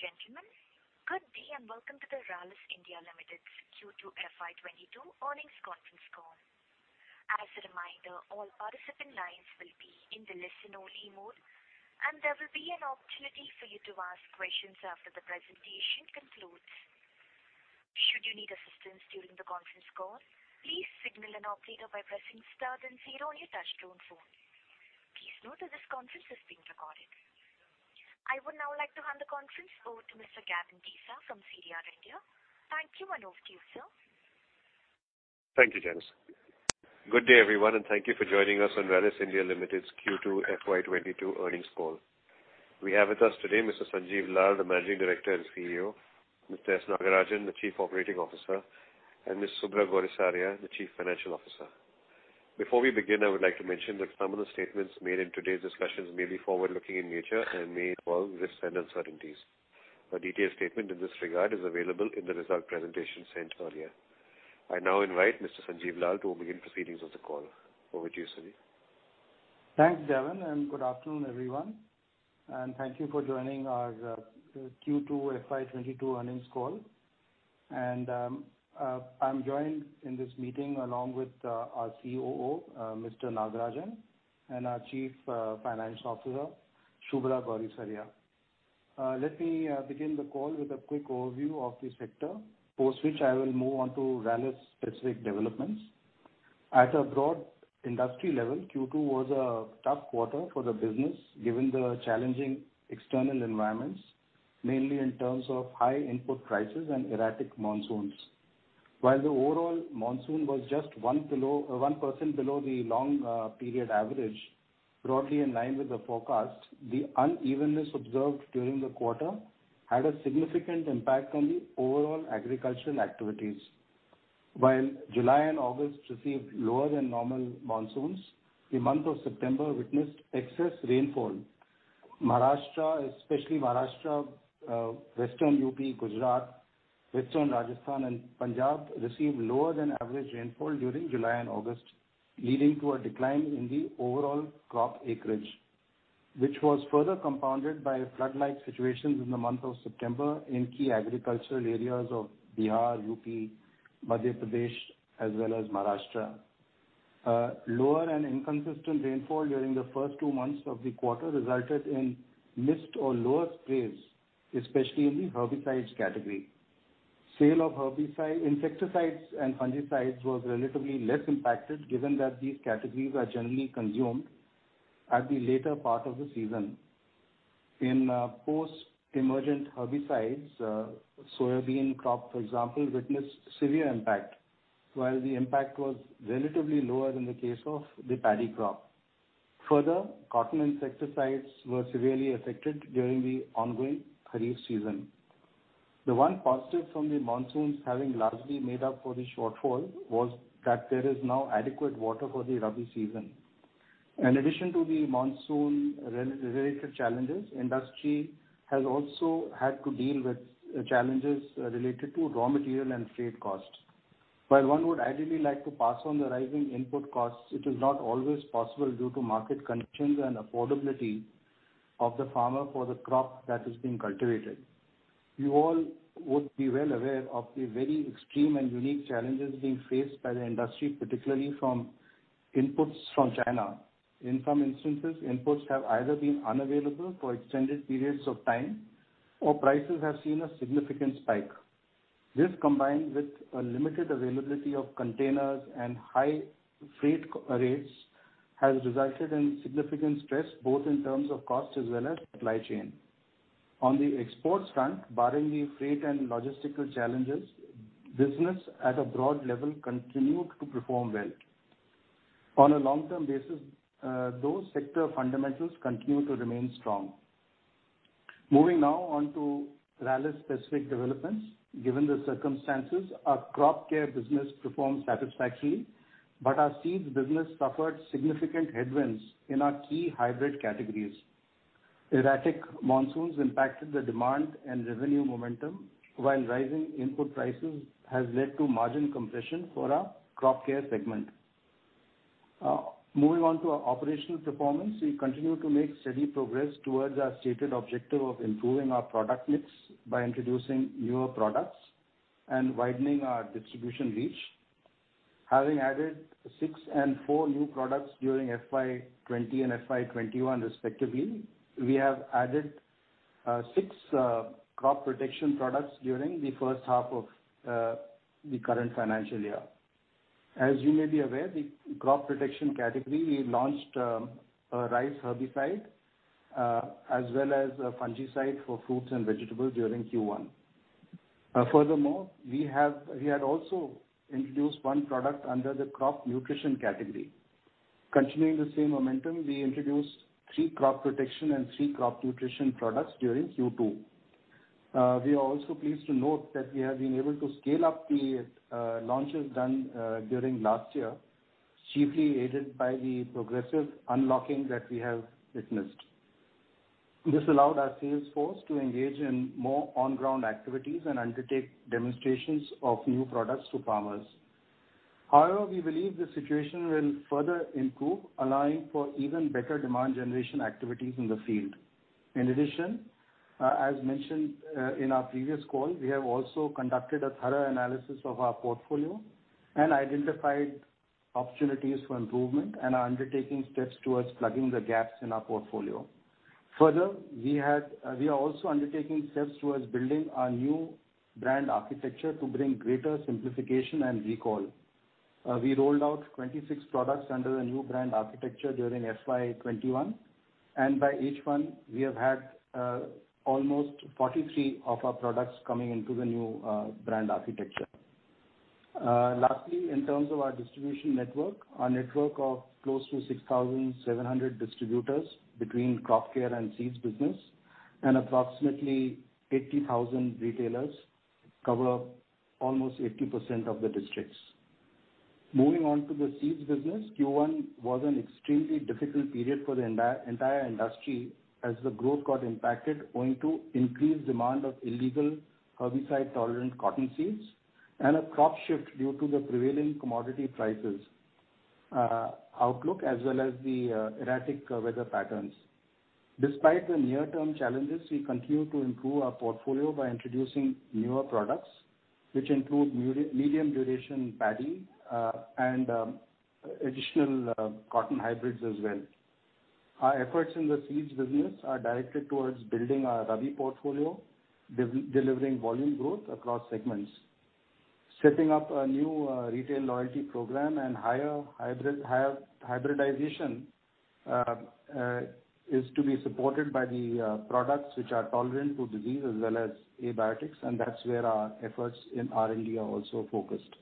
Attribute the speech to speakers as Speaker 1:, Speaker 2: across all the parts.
Speaker 1: Ladies and gentlemen, good day, welcome to the Rallis India Limited Q2 FY 2022 Earnings Conference Call. As a reminder, all participant lines will be in the listen only mode, and there will be an opportunity for you to ask questions after the presentation concludes. Should you need assistance during the conference call, please signal an operator by pressing star then zero on your touch-tone phone. Please note that this conference is being recorded. I would now like to hand the conference over to Mr. Gavin Desa from CDR India. Thank you, and over to you, sir.
Speaker 2: Thank you, Janice. Good day, everyone, and thank you for joining us on Rallis India Limited's Q2 FY 2022 earnings call. We have with us today Mr. Sanjiv Lal, the managing director and CEO, Mr. S. Nagarajan, the Chief Operating Officer, and Ms. Subhra Gourisaria, the Chief Financial Officer. Before we begin, I would like to mention that some of the statements made in today's discussions may be forward-looking in nature and may involve risks and uncertainties. A detailed statement in this regard is available in the result presentation sent earlier. I now invite Mr. Sanjiv Lal to begin proceedings of the call. Over to you, Sanjiv.
Speaker 3: Thanks, Gavin. Good afternoon, everyone. Thank you for joining our Q2 FY 2022 earnings call. I'm joined in this meeting along with our COO, Mr. Nagarajan, and our Chief Financial Officer, Subhra Gourisaria. Let me begin the call with a quick overview of the sector, post which I will move on to Rallis' specific developments. At a broad industry level, Q2 was a tough quarter for the business given the challenging external environments, mainly in terms of high input prices and erratic monsoons. While the overall monsoon was just 1% below the long period average, broadly in line with the forecast, the unevenness observed during the quarter had a significant impact on the overall agricultural activities. While July and August received lower than normal monsoons, the month of September witnessed excess rainfall. Especially Maharashtra, Western U.P., Gujarat, Western Rajasthan, and Punjab received lower than average rainfall during July and August, leading to a decline in the overall crop acreage. Which was further compounded by flood-like situations in the month of September in key agricultural areas of Bihar, U.P., Madhya Pradesh, as well as Maharashtra. Lower and inconsistent rainfall during the first two months of the quarter resulted in missed or lower sprays, especially in the herbicides category. Sale of herbicides, insecticides, and fungicides was relatively less impacted given that these categories are generally consumed at the later part of the season. In post-emergent herbicides, soybean crop, for example, witnessed severe impact. While the impact was relatively lower in the case of the paddy crop. Further, cotton insecticides were severely affected during the ongoing kharif season. The one positive from the monsoons having largely made up for the shortfall was that there is now adequate water for the rabi season. In addition to the monsoon-related challenges, industry has also had to deal with challenges related to raw material and freight costs. While one would ideally like to pass on the rising input costs, it is not always possible due to market conditions and affordability of the farmer for the crop that is being cultivated. You all would be well aware of the very extreme and unique challenges being faced by the industry, particularly from inputs from China. In some instances, inputs have either been unavailable for extended periods of time or prices have seen a significant spike. This, combined with a limited availability of containers and high freight rates, has resulted in significant stress both in terms of cost as well as supply chain. On the export front, barring the freight and logistical challenges, business at a broad level continued to perform well. On a long-term basis, those sector fundamentals continue to remain strong. Moving now on to Rallis specific developments. Given the circumstances, our crop care business performed satisfactorily, but our seeds business suffered significant headwinds in our key hybrid categories. Erratic monsoons impacted the demand and revenue momentum while rising input prices has led to margin compression for our crop care segment. Moving on to our operational performance. We continue to make steady progress towards our stated objective of improving our product mix by introducing newer products and widening our distribution reach. Having added six and four new products during FY 2020 and FY 2021 respectively, we have added 6 crop protection products during the first half of the current financial year. As you may be aware, the crop protection category, we launched a rice herbicide as well as a fungicide for fruits and vegetables during Q1. Furthermore, we had also introduced one product under the crop nutrition category. Continuing the same momentum, we introduced three crop protection and three crop nutrition products during Q2. We are also pleased to note that we have been able to scale up the launches done during last year, chiefly aided by the progressive unlocking that we have witnessed. This allowed our sales force to engage in more on-ground activities and undertake demonstrations of new products to farmers. However, we believe the situation will further improve, allowing for even better demand generation activities in the field. In addition, as mentioned in our previous call, we have also conducted a thorough analysis of our portfolio and identified opportunities for improvement and are undertaking steps towards plugging the gaps in our portfolio. Further, we are also undertaking steps towards building a new brand architecture to bring greater simplification and recall. We rolled out 26 products under the new brand architecture during FY 2021, and by H1, we have had almost 43 of our products coming into the new brand architecture. Lastly, in terms of our distribution network, our network of close to 6,700 distributors between crop care and seeds business and approximately 80,000 retailers cover up almost 80% of the districts. Moving on to the seeds business, Q1 was an extremely difficult period for the entire industry as the growth got impacted owing to increased demand of illegal herbicide-tolerant cotton seeds, and a crop shift due to the prevailing commodity prices outlook as well as the erratic weather patterns. Despite the near-term challenges, we continue to improve our portfolio by introducing newer products, which include medium duration paddy and additional cotton hybrids as well. Our efforts in the seeds business are directed towards building our rabi portfolio, delivering volume growth across segments. Setting up a new retail loyalty program and higher hybridization is to be supported by the products which are tolerant to disease as well as abiotics, and that's where our efforts in R&D are also focused.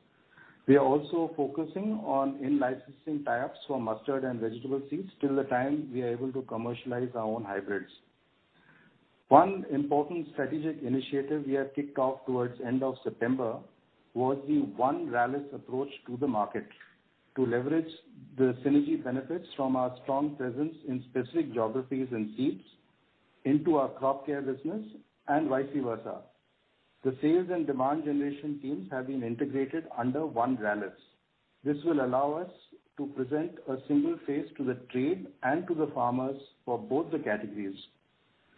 Speaker 3: We are also focusing on in-licensing tie-ups for mustard and vegetable seeds till the time we are able to commercialize our own hybrids. One important strategic initiative we have kicked off towards end of September was the One Rallis approach to the market to leverage the synergy benefits from our strong presence in specific geographies and seeds into our crop care business and vice versa. The sales and demand generation teams have been integrated under One Rallis. This will allow us to present a single face to the trade and to the farmers for both the categories.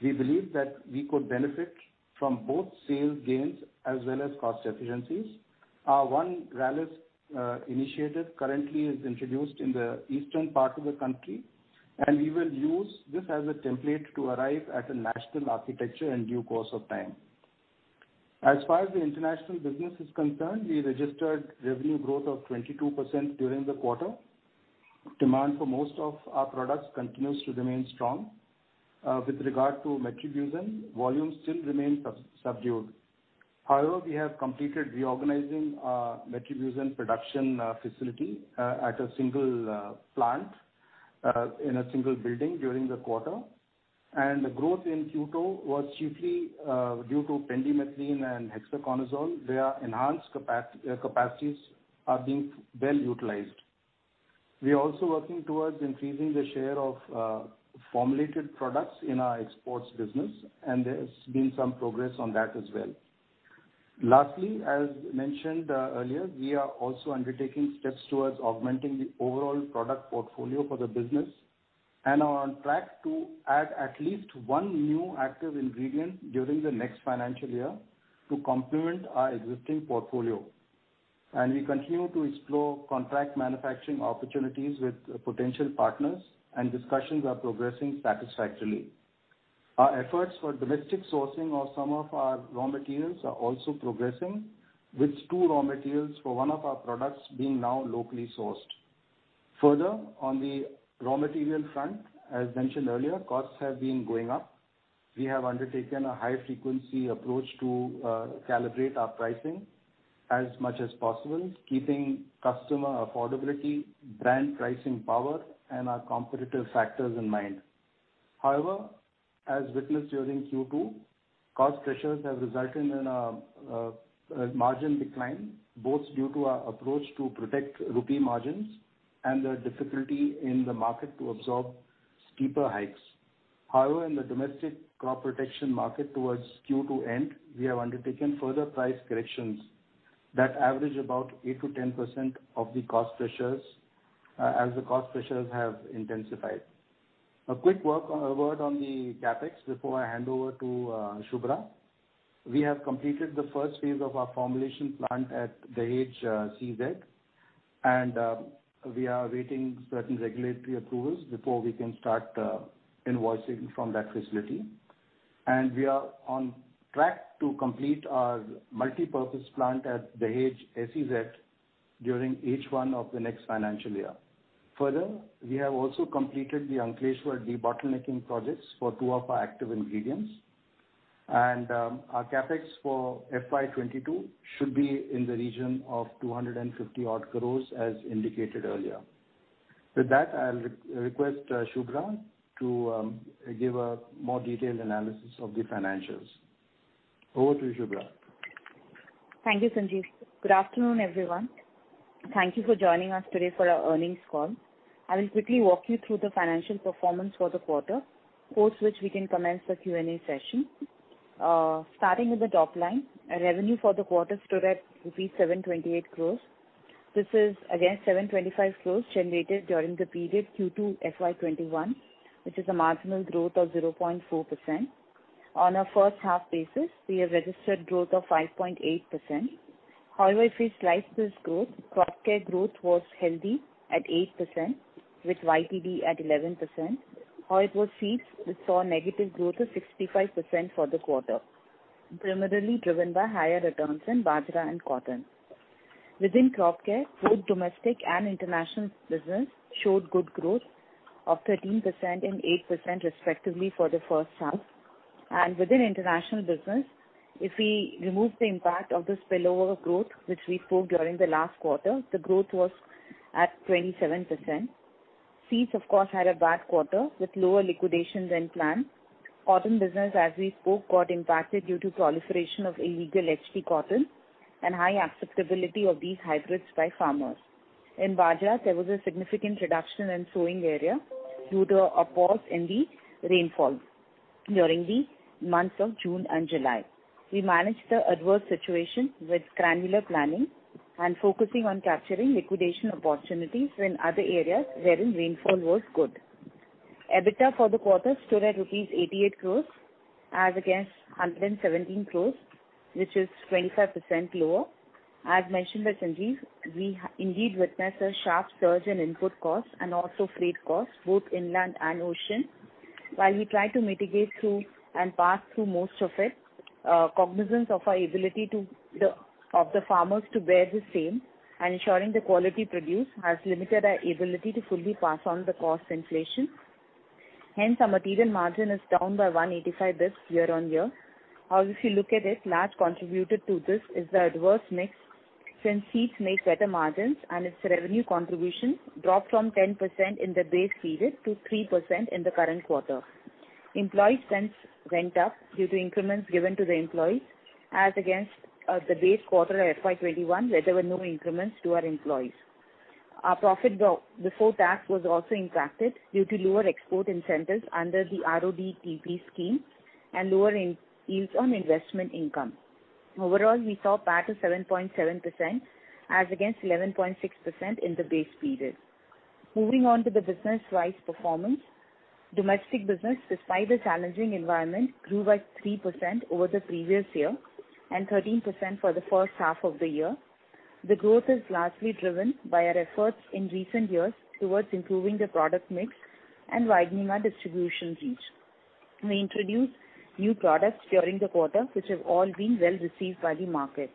Speaker 3: We believe that we could benefit from both sales gains as well as cost efficiencies. Our One Rallis initiative currently is introduced in the eastern part of the country, and we will use this as a template to arrive at a national architecture in due course of time. As far as the international business is concerned, we registered revenue growth of 22% during the quarter. Demand for most of our products continues to remain strong. With regard to metribuzin, volume still remains subdued. However, we have completed reorganizing our metribuzin production facility at a single plant, in a single building during the quarter. The growth in Q2 was chiefly due to pendimethalin and hexaconazole. Their enhanced capacities are being well utilized. We are also working towards increasing the share of formulated products in our exports business, and there has been some progress on that as well. Lastly, as mentioned earlier, we are also undertaking steps towards augmenting the overall product portfolio for the business and are on track to add at least one new active ingredient during the next financial year to complement our existing portfolio. We continue to explore contract manufacturing opportunities with potential partners and discussions are progressing satisfactorily. Our efforts for domestic sourcing of some of our raw materials are also progressing with two raw materials for one of our products being now locally sourced. Further, on the raw material front, as mentioned earlier, costs have been going up. We have undertaken a high-frequency approach to calibrate our pricing as much as possible, keeping customer affordability, brand pricing power, and our competitive factors in mind. However, as witnessed during Q2, cost pressures have resulted in a margin decline, both due to our approach to protect rupee margins and the difficulty in the market to absorb steeper hikes. However, in the domestic crop protection market towards Q2 end, we have undertaken further price corrections that average about 8%-10% of the cost pressures as the cost pressures have intensified. A quick word on the CapEx before I hand over to Subhra. We have completed the first phase of our formulation plant at Dahej SEZ. We are awaiting certain regulatory approvals before we can start invoicing from that facility. We are on track to complete our multipurpose plant at Dahej SEZ during H1 of the next financial year. Further, we have also completed the Ankleshwar debottlenecking projects for two of our active ingredients. Our CapEx for FY 2022 should be in the region of 250 odd crores as indicated earlier. With that, I'll request Subhra to give a more detailed analysis of the financials. Over to you, Subhra.
Speaker 4: Thank you, Sanjiv. Good afternoon, everyone. Thank you for joining us today for our earnings call. I will quickly walk you through the financial performance for the quarter, post which we can commence the Q&A session. Starting at the top line, revenue for the quarter stood at rupees 728 crores. This is against 725 crores generated during the period Q2 FY 2021, which is a marginal growth of 0.4%. On a first-half basis, we have registered growth of 5.8%. If we slice this growth, crop care growth was healthy at 8%, with YTD at 11%. Seeds, we saw negative growth of 65% for the quarter, primarily driven by higher returns in bajra and cotton. Within crop care, both domestic and international business showed good growth of 13% and 8% respectively for the first half. Within international business, if we remove the impact of the spillover growth which we spoke during the last quarter, the growth was at 27%. Seeds, of course, had a bad quarter with lower liquidations than planned. Cotton business, as we spoke, got impacted due to proliferation of illegal HT cotton and high acceptability of these hybrids by farmers. In bajra, there was a significant reduction in sowing area due to a pause in the rainfall during the months of June and July. We managed the adverse situation with granular planning and focusing on capturing liquidation opportunities in other areas wherein rainfall was good. EBITDA for the quarter stood at rupees 88 crores as against 117 crores, which is 25% lower. As mentioned by Sanjiv Lal, we indeed witnessed a sharp surge in input costs and also freight costs, both inland and ocean. While we tried to mitigate through and pass through most of it, cognizance of the ability of the farmers to bear the same and ensuring the quality produced has limited our ability to fully pass on the cost inflation. Hence, our material margin is down by 185 basis points year-on-year. If you look at it, large contributor to this is the adverse mix. Since seeds make better margins and its revenue contribution dropped from 10% in the base period to 3% in the current quarter. Employee strength went up due to increments given to the employees as against the base quarter FY 2021, where there were no increments to our employees. Our profit before tax was also impacted due to lower export incentives under the RoDTEP scheme and lower yields on investment income. Overall, we saw PAT of 7.7% as against 11.6% in the base period. Moving on to the business-wise performance. Domestic business, despite a challenging environment, grew by 3% over the previous year and 13% for the first half of the year. The growth is largely driven by our efforts in recent years towards improving the product mix and widening our distribution reach. We introduced new products during the quarter, which have all been well received by the market.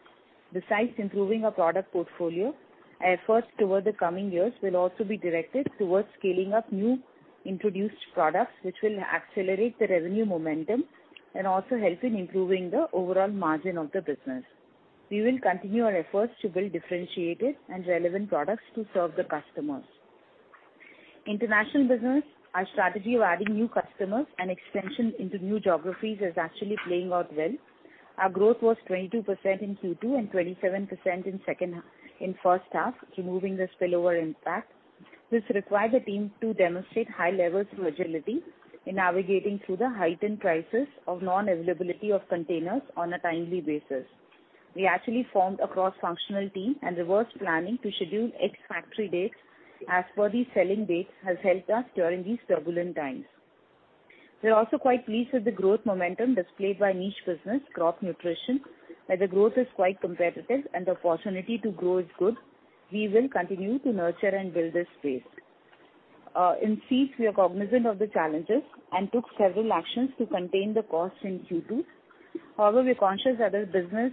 Speaker 4: Besides improving our product portfolio, our efforts toward the coming years will also be directed towards scaling up new introduced products, which will accelerate the revenue momentum and also help in improving the overall margin of the business. We will continue our efforts to build differentiated and relevant products to serve the customers. International business, our strategy of adding new customers and expansion into new geographies is actually playing out well. Our growth was 22% in Q2 and 27% in first half, removing the spillover impact. This required the team to demonstrate high levels of agility in navigating through the heightened crisis of non-availability of containers on a timely basis. We actually formed a cross-functional team and reverse planning to schedule ex-factory dates as per the selling date has helped us during these turbulent times. We're also quite pleased with the growth momentum displayed by niche business, crop nutrition. The growth is quite competitive and the opportunity to grow is good, we will continue to nurture and build this space. In seeds, we are cognizant of the challenges and took several actions to contain the costs in Q2. However, we are conscious that this business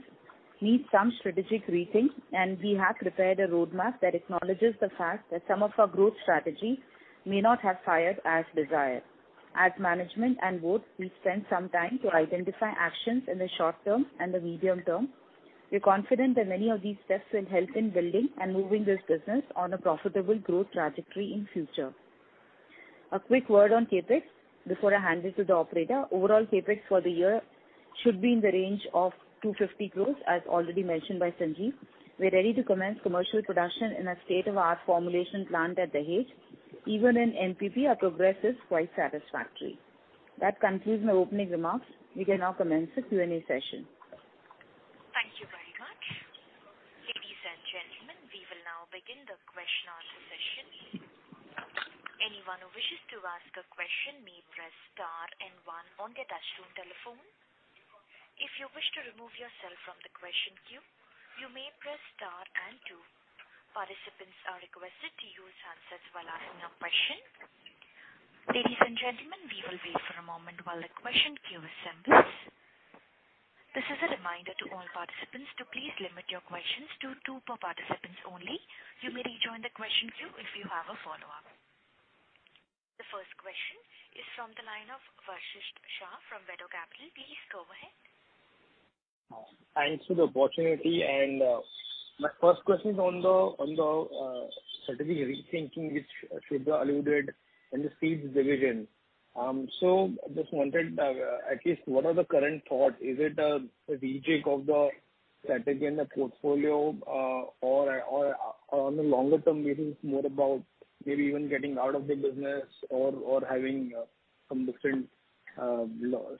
Speaker 4: needs some strategic rethink, and we have prepared a roadmap that acknowledges the fact that some of our growth strategy may not have fired as desired. As management and board, we spent some time to identify actions in the short term and the medium term. We're confident that many of these steps will help in building and moving this business on a profitable growth trajectory in future. A quick word on CapEx before I hand it to the operator. Overall CapEx for the year should be in the range of 250 crores, as already mentioned by Sanjiv Lal. We're ready to commence commercial production in a state-of-the-art formulation plant at Dahej. Even in MPP, our progress is quite satisfactory. That concludes my opening remarks. We can now commence the Q&A session.
Speaker 1: Thank you very much. Ladies and gentlemen, we will now begin the question answer session. Anyone who wishes to ask a question may press star and one on their touchtone telephone. If you wish to remove yourself from the question queue, you may press star and two. Participants are requested to use answers while asking a question. Ladies and gentlemen, we will wait for a moment while the question queue assembles. This is a reminder to all participants to please limit your questions to two per participant only. You may rejoin the question queue if you have a follow-up. The first question is from the line of Vashisht Shah from Vedo Capital. Please go ahead.
Speaker 5: Thanks for the opportunity. My first question is on the strategy rethinking which Shubhra alluded in the seeds division. Just wondered at least what are the current thought? Is it a rejig of the strategy in the portfolio or on a longer term, maybe it's more about maybe even getting out of the business or having some different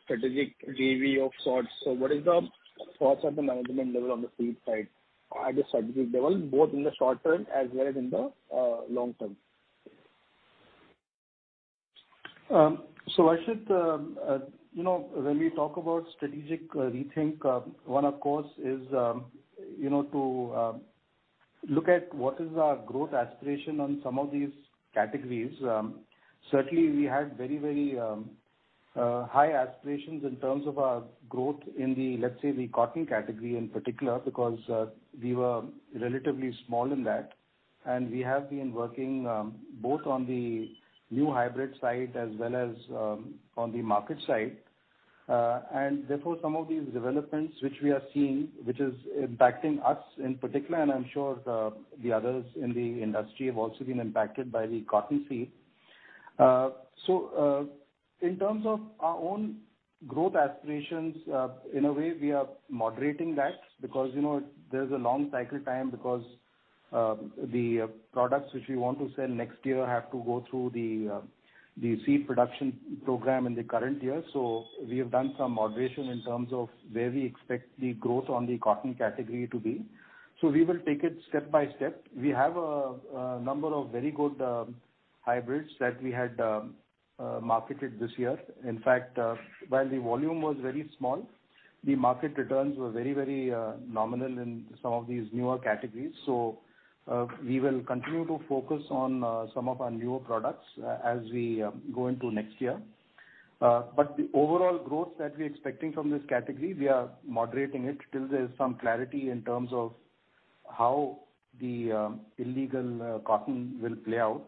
Speaker 5: strategic JV of sorts. What is the thoughts at the management level on the seed side at a strategic level, both in the short term as well as in the long term?
Speaker 3: Vashisht, when we talk about strategic rethink, one of course is to look at what is our growth aspiration on some of these categories. Certainly, we had very high aspirations in terms of our growth in the, let's say, the cotton category in particular because we were relatively small in that. We have been working both on the new hybrid side as well as on the market side. Therefore, some of these developments which we are seeing, which is impacting us in particular, and I am sure the others in the industry have also been impacted by the cotton seed. In terms of our own growth aspirations, in a way we are moderating that because there is a long cycle time because the products which we want to sell next year have to go through the seed production program in the current year. We have done some moderation in terms of where we expect the growth on the cotton category to be. We will take it step by step. We have a number of very good hybrids that we had marketed this year. In fact, while the volume was very small, the market returns were very nominal in some of these newer categories. We will continue to focus on some of our newer products as we go into next year. The overall growth that we're expecting from this category, we are moderating it till there's some clarity in terms of how the illegal cotton will play out.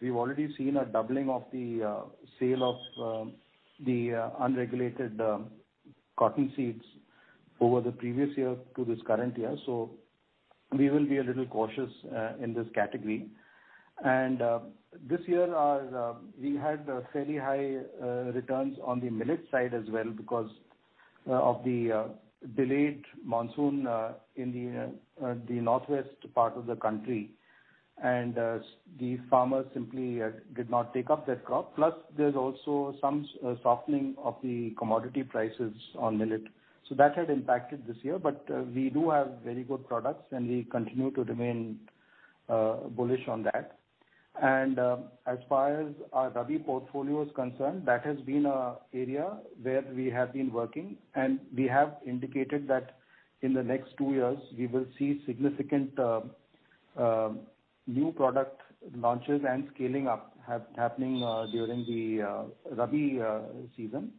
Speaker 3: We've already seen a doubling of the sale of the unregulated cotton seeds over the previous year to this current year. We will be a little cautious in this category. This year, we had fairly high returns on the millet side as well because of the delayed monsoon in the northwest part of the country. The farmers simply did not take up that crop. Plus, there's also some softening of the commodity prices on millet. That had impacted this year, but we do have very good products, and we continue to remain bullish on that. As far as our Rabi portfolio is concerned, that has been an area where we have been working, and we have indicated that in the next two years, we will see significant new product launches and scaling up happening during the Rabi season.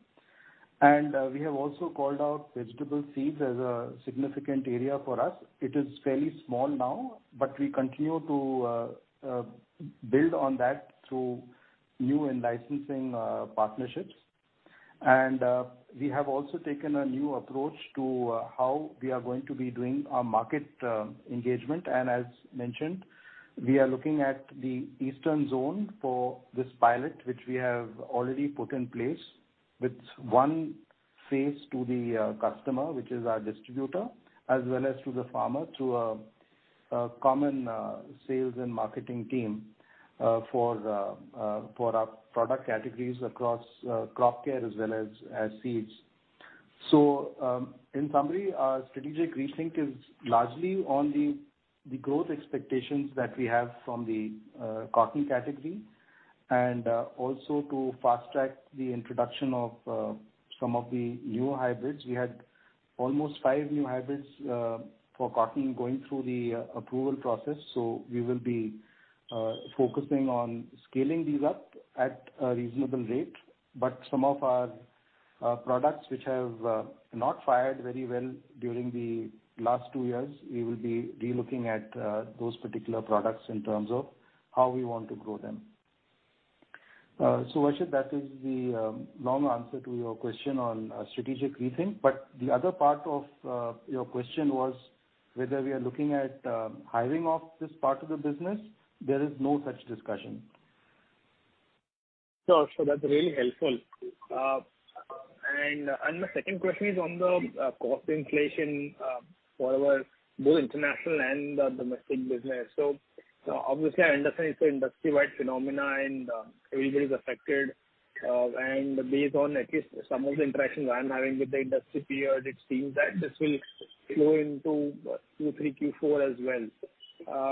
Speaker 3: We have also called out vegetable seeds as a significant area for us. It is fairly small now, but we continue to build on that through new and licensing partnerships. We have also taken a new approach to how we are going to be doing our market engagement. As mentioned, we are looking at the eastern zone for this pilot, which we have already put in place with one face to the customer, which is our distributor, as well as to the farmer through a common sales and marketing team for our product categories across crop care as well as seeds. In summary, our strategic rethink is largely on the growth expectations that we have from the cotton category and also to fast-track the introduction of some of the new hybrids. We had almost five new hybrids for cotton going through the approval process. We will be focusing on scaling these up at a reasonable rate. Some of our products which have not fared very well during the last two years, we will be relooking at those particular products in terms of how we want to grow them. Ashit, that is the long answer to your question on strategic rethink. The other part of your question was whether we are looking at hiving off this part of the business. There is no such discussion.
Speaker 5: Sure. That's really helpful. My second question is on the cost inflation for our both international and domestic business. Obviously I understand it's an industry-wide phenomenon and everybody's affected. Based on at least some of the interactions I'm having with the industry peers, it seems that this will flow into Q3, Q4 as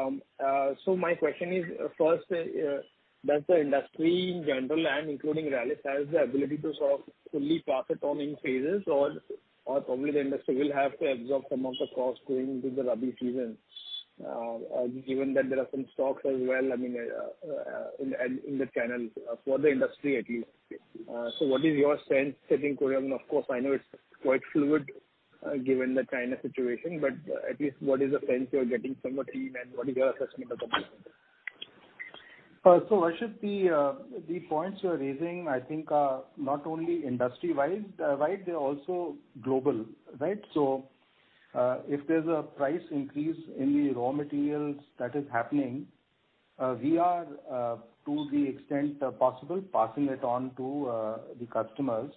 Speaker 5: well. My question is, first, does the industry in general, and including Rallis, has the ability to fully pass it on in phases or probably the industry will have to absorb some of the cost going into the rabi season given that there are some stocks as well, I mean, in the channels for the industry at least. What is your sense setting going? Of course, I know it's quite fluid given the China situation, but at least what is the sense you're getting from your team and what is your assessment of the business?
Speaker 3: Ashit, the points you're raising I think are not only industry-wide. They're also global. If there's a price increase in the raw materials that is happening. We are to the extent possible, passing it on to the customers.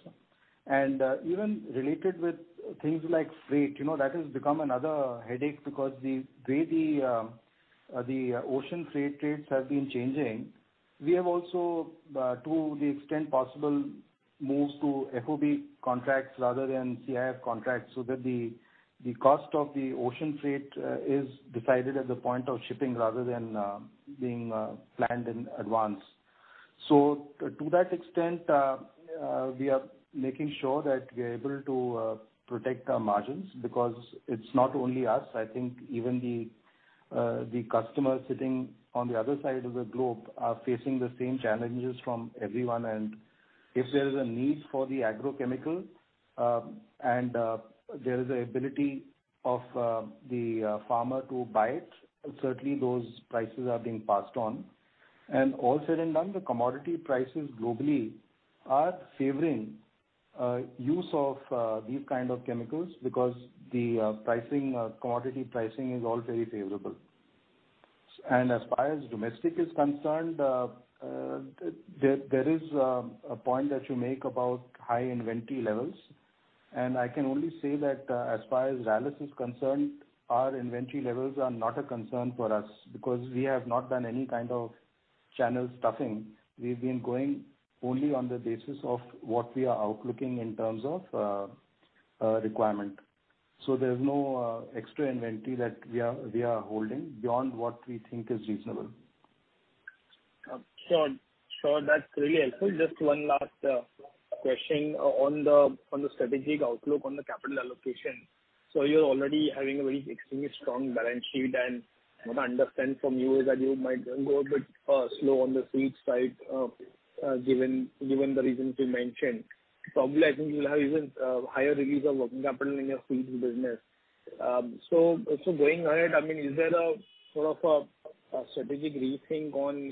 Speaker 3: Even related with things like freight, that has become another headache because the way the ocean freight rates have been changing, we have also, to the extent possible, moved to FOB contracts rather than CIF contracts so that the cost of the ocean freight is decided at the point of shipping rather than being planned in advance. To that extent, we are making sure that we are able to protect our margins because it's not only us, I think even the customers sitting on the other side of the globe are facing the same challenges from everyone. If there is a need for the agrochemical, and there is the ability of the farmer to buy it, certainly those prices are being passed on. All said and done, the commodity prices globally are favoring use of these kind of chemicals because the commodity pricing is all very favorable. As far as domestic is concerned, there is a point that you make about high inventory levels. I can only say that as far as Rallis is concerned, our inventory levels are not a concern for us because we have not done any kind of channel stuffing. We've been going only on the basis of what we are outlooking in terms of requirement. There's no extra inventory that we are holding beyond what we think is reasonable.
Speaker 5: Sure. That's really helpful. Just one last question on the strategic outlook on the capital allocation. You're already having a very extremely strong balance sheet, and what I understand from you is that you might go a bit slow on the seed side, given the reasons you mentioned. Probably, I think you'll have even higher release of working capital in your seeds business. Going ahead, is there a sort of a strategic rethink on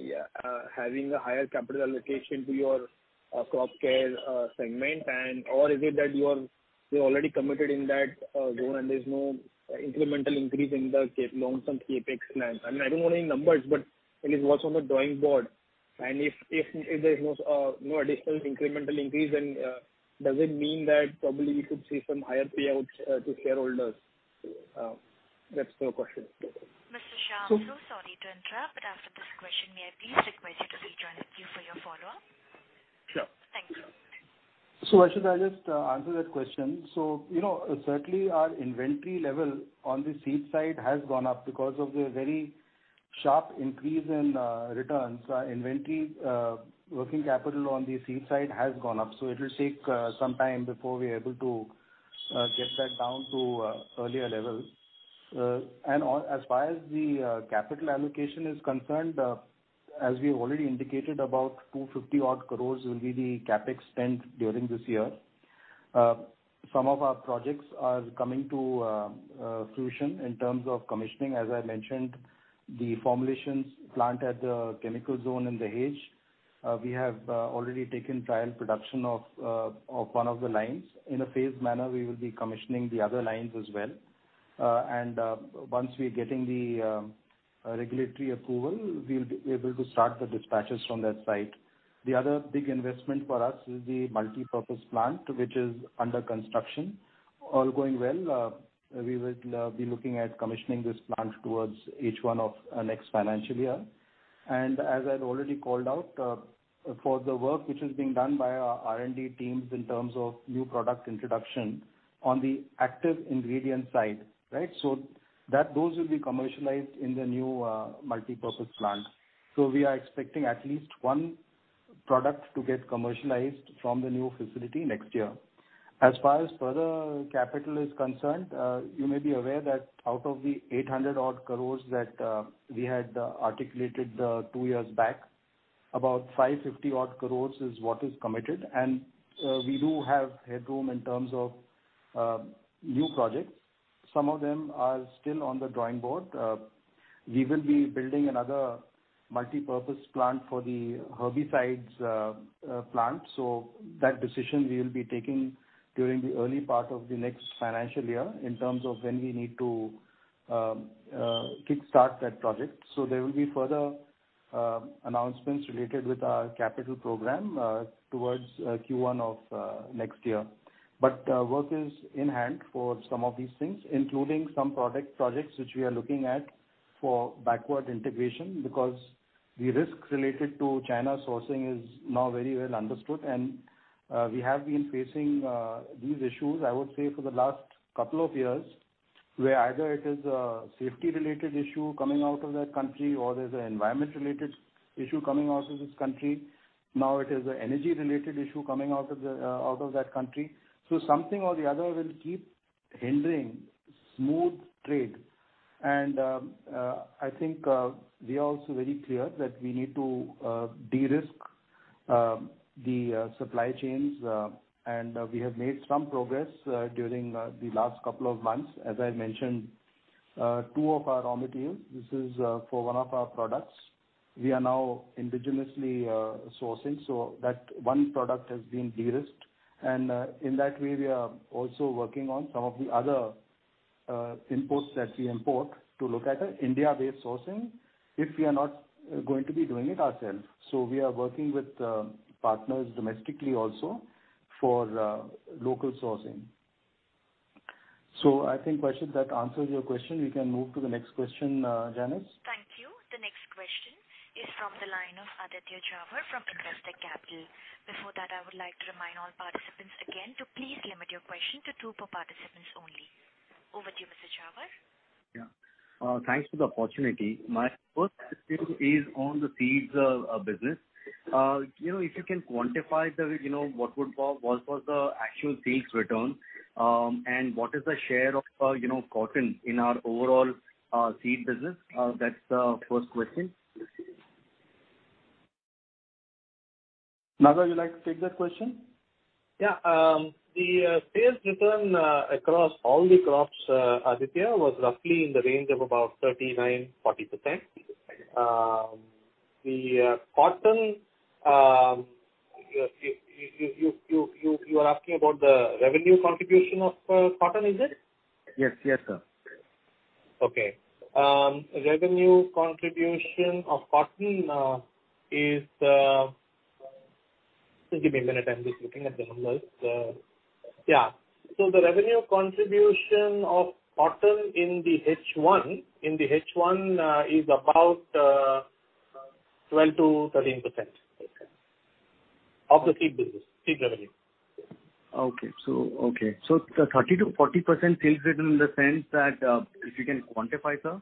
Speaker 5: having a higher capital allocation to your crop care segment? Or is it that you're already committed in that zone and there's no incremental increase in the loans and CapEx plans? I don't want any numbers, but at least what's on the drawing board. If there's no additional incremental increase, then does it mean that probably we could see some higher payouts to shareholders? That's my question.
Speaker 1: Mr. Shah, I'm so sorry to interrupt, but after this question, may I please request you to rejoin in for your follow-up.
Speaker 5: Sure.
Speaker 1: Thank you.
Speaker 3: Vashisht, I'll just answer that question. Certainly our inventory level on the seed side has gone up because of the very sharp increase in returns. Our inventory working capital on the seed side has gone up. It will take some time before we are able to get that down to earlier levels. As far as the capital allocation is concerned, as we've already indicated about 250 odd crores will be the CapEx spent during this year. Some of our projects are coming to fruition in terms of commissioning. As I mentioned, the formulations plant at the chemical zone in Dahej. We have already taken trial production of one of the lines. In a phased manner, we will be commissioning the other lines as well. Once we're getting the regulatory approval, we'll be able to start the dispatches from that site. The other big investment for us is the Multi-Purpose Plant, which is under construction. All going well, we will be looking at commissioning this plant towards H1 of next financial year. As I've already called out, for the work which is being done by our R&D teams in terms of new product introduction on the active ingredient side. Those will be commercialized in the new Multi-Purpose Plant. We are expecting at least one product to get commercialized from the new facility next year. As far as further capital is concerned, you may be aware that out of the 800 odd crores that we had articulated two years back, about 550 odd crores is what is committed. We do have headroom in terms of new projects. Some of them are still on the drawing board. We will be building another Multi-Purpose Plant for the herbicides plant. That decision we will be taking during the early part of the next financial year in terms of when we need to kickstart that project. There will be further announcements related with our capital program towards Q1 of next year. Work is in hand for some of these things, including some projects which we are looking at for backward integration because the risks related to China sourcing is now very well understood. We have been facing these issues, I would say, for the last two years, where either it is a safety-related issue coming out of that country or there's an environment-related issue coming out of this country. Now it is an energy-related issue coming out of that country. Something or the other will keep hindering smooth trade. I think we are also very clear that we need to de-risk the supply chains. We have made some progress during the last couple of months. As I mentioned, two of our raw materials, this is for one of our products. We are now indigenously sourcing. That one product has been de-risked. In that way, we are also working on some of the other inputs that we import to look at India-based sourcing if we are not going to be doing it ourselves. We are working with partners domestically also for local sourcing. I think, Vaishak, that answers your question. We can move to the next question, Janice.
Speaker 1: Thank you. The next question is from the line of Aditya Jhawar from Investec Capital. Before that, I would like to remind all participants again to please limit your question to two per participant only. Over to you, Mr. Jhawar.
Speaker 6: Yeah. Thanks for the opportunity. My first question is on the seeds business. If you can quantify what was the actual sales return, and what is the share of cotton in our overall seed business? That's the first question.
Speaker 3: S. Nagarajan, would you like to take that question?
Speaker 7: The sales return across all the crops, Aditya, was roughly in the range of about 39%-40%. You are asking about the revenue contribution of cotton, is it?
Speaker 6: Yes, sir.
Speaker 7: Okay. The revenue contribution of cotton in the H1 is about 12%-13% of the seed revenue.
Speaker 6: Okay. The 30%-40% sales return in the sense that if you can quantify, sir,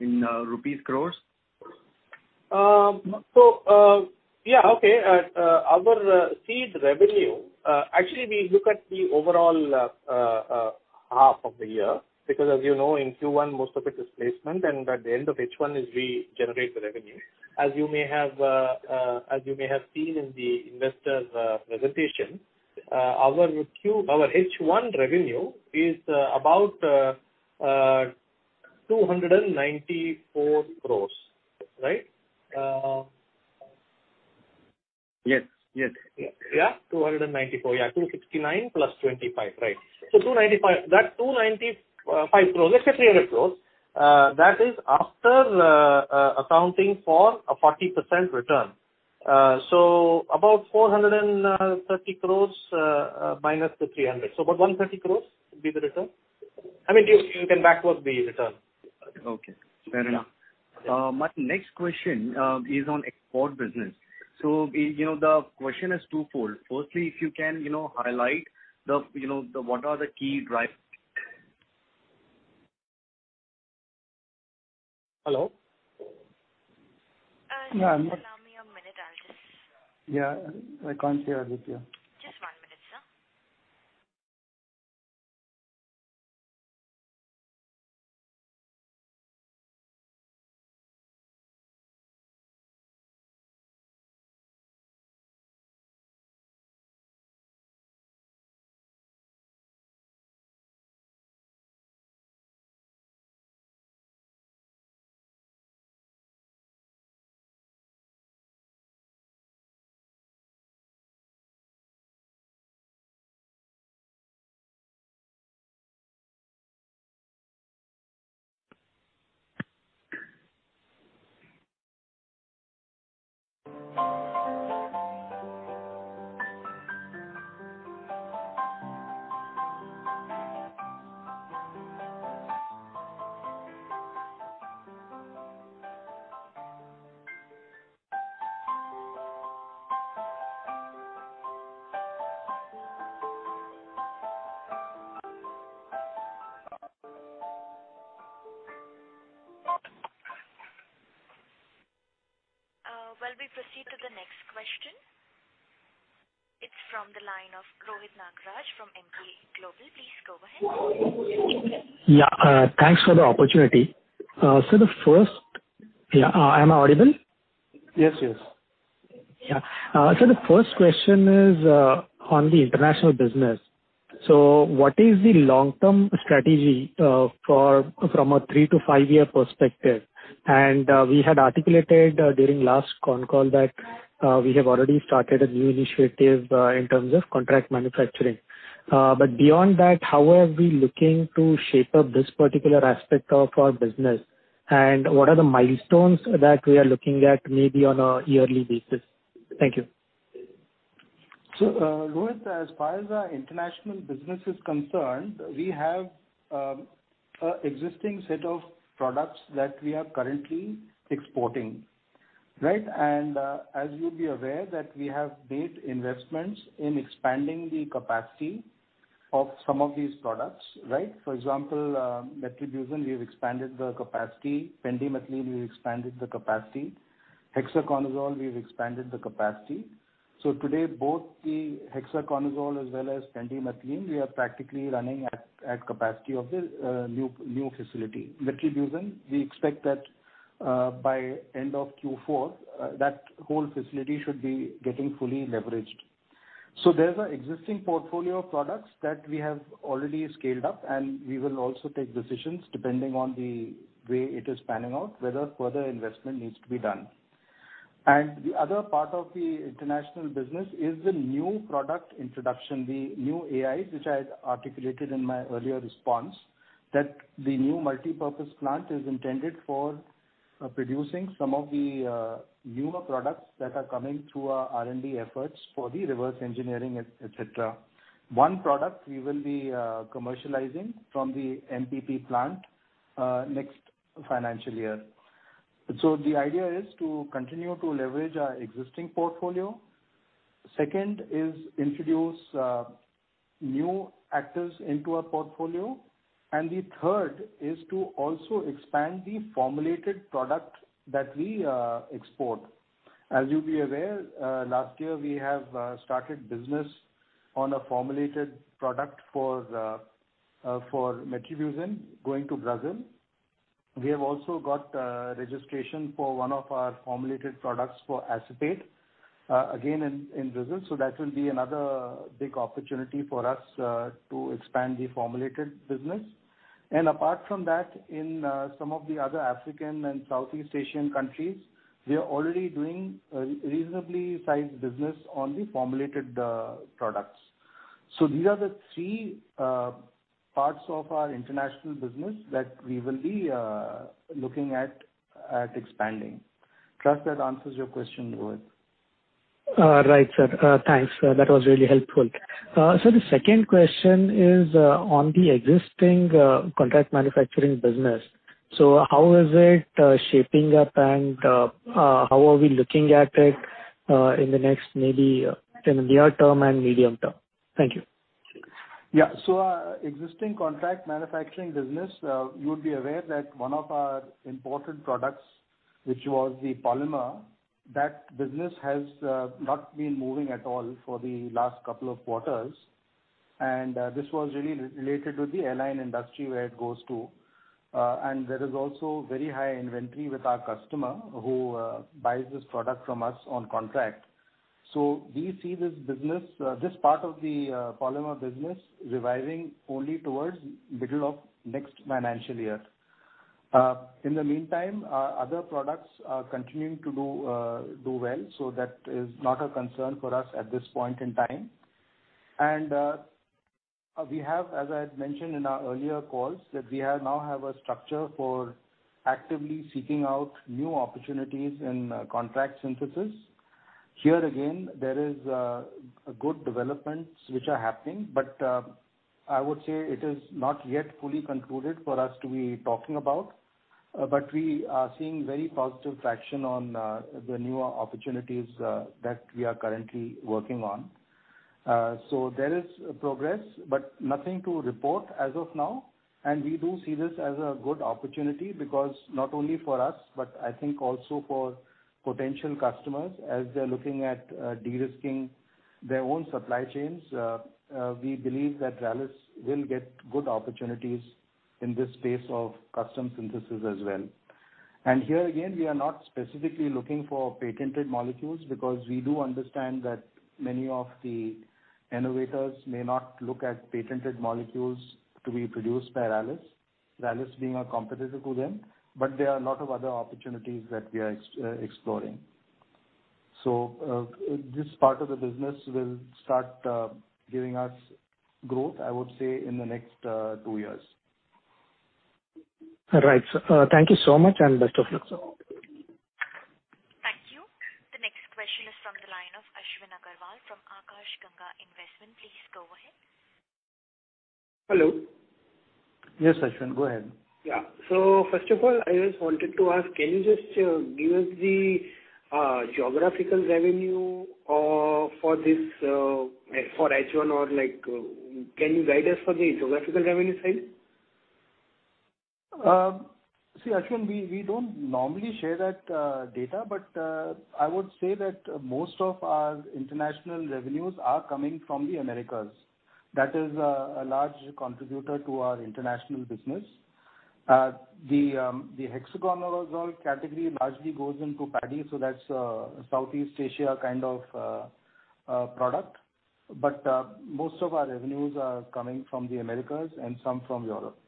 Speaker 6: in rupees crores.
Speaker 7: Yeah, okay. Our seed revenue, actually, we look at the overall half of the year, because as you know, in Q1, most of it is placement, and at the end of H1 is we generate the revenue. As you may have seen in the investor presentation, our H1 revenue is about INR 294 crores, right?
Speaker 6: Yes.
Speaker 7: 294. 269 plus 25. Right. 295 crores. Let's say 300 crores. That is after accounting for a 40% return. About 430 crores minus the 300. About 130 crores would be the return. You can back work the return.
Speaker 6: Okay, fair enough. My next question is on export business. The question is twofold. Firstly, if you can highlight what are the key drivers Hello?
Speaker 1: Allow me a minute, Aditya.
Speaker 7: Yeah. I cannot hear, Aditya.
Speaker 1: Just one minute, sir. While we proceed to the next question. It's from the line of Rohit Nagaraj from Emkay Global. Please go ahead.
Speaker 8: Yeah, thanks for the opportunity. Am I audible?
Speaker 3: Yes.
Speaker 8: The first question is on the international business. What is the long-term strategy from a three-to-five year perspective? We had articulated during last con call that we have already started a new initiative in terms of contract manufacturing. Beyond that, how are we looking to shape up this particular aspect of our business, and what are the milestones that we are looking at, maybe on a yearly basis? Thank you.
Speaker 3: Rohit, as far as our international business is concerned, we have an existing set of products that we are currently exporting, right? As you'll be aware that we have made investments in expanding the capacity of some of these products, right? For example, metribuzin, we've expanded the capacity. pendimethalin, we've expanded the capacity. hexaconazole, we've expanded the capacity. Today, both the hexaconazole as well as pendimethalin, we are practically running at capacity of the new facility. metribuzin, we expect that by end of Q4, that whole facility should be getting fully leveraged. There's an existing portfolio of products that we have already scaled up, and we will also take decisions depending on the way it is panning out, whether further investment needs to be done. And the other part of the international business is the new product introduction, the new AIs, which I had articulated in my earlier response, that the new Multi-Purpose Plant is intended for producing some of the newer products that are coming through our R&D efforts for the reverse engineering, et cetera. One product we will be commercializing from the MPP plant next financial year. The idea is to continue to leverage our existing portfolio. Second is introduce new actives into our portfolio. The third is to also expand the formulated product that we export. As you'll be aware, last year we have started business on a formulated product for metribuzin going to Brazil. We have also got registration for one of our formulated products for acephate, again, in Brazil. That will be another big opportunity for us to expand the formulated business. Apart from that, in some of the other African and Southeast Asian countries, we are already doing reasonably sized business on the formulated products. These are the three parts of our international business that we will be looking at expanding. Trust that answers your question, Rohit.
Speaker 8: Right, sir. Thanks. That was really helpful. Sir, the second question is on the existing contract manufacturing business. How is it shaping up and how are we looking at it in the next maybe near term and medium term? Thank you.
Speaker 3: Yeah. Our existing contract manufacturing business, you would be aware that one of our important products, which was the polymer, that business has not been moving at all for the last couple of quarters. This was really related to the airline industry where it goes to. There is also very high inventory with our customer who buys this product from us on contract. We see this part of the polymer business reviving only towards middle of next financial year. In the meantime, our other products are continuing to do well. That is not a concern for us at this point in time. We have, as I had mentioned in our earlier calls, that we now have a structure for actively seeking out new opportunities in contract synthesis. Here again, there is good developments which are happening, but I would say it is not yet fully concluded for us to be talking about. We are seeing very positive traction on the newer opportunities that we are currently working on. There is progress, but nothing to report as of now. We do see this as a good opportunity because not only for us, but I think also for potential customers as they're looking at de-risking their own supply chains. We believe that Rallis will get good opportunities in this space of custom synthesis as well. Here again, we are not specifically looking for patented molecules because we do understand that many of the innovators may not look at patented molecules to be produced by Rallis being a competitor to them. There are a lot of other opportunities that we are exploring. This part of the business will start giving us growth, I would say, in the next two years.
Speaker 8: Right. Thank you so much, and best of luck, sir.
Speaker 1: Thank you. The next question is from the line of Ashwin Agarwal from Akash Ganga Investment. Please go ahead.
Speaker 9: Hello.
Speaker 3: Yes, Ashwin, go ahead.
Speaker 9: Yeah. First of all, I just wanted to ask, can you just give us the geographical revenue for H1 or can you guide us for the geographical revenue side?
Speaker 3: See, Ashwin, we don't normally share that data, but I would say that most of our international revenues are coming from the Americas. That is a large contributor to our international business. The hexaconazole category largely goes into paddy, so that's a Southeast Asia kind of product. Most of our revenues are coming from the Americas and some from Europe.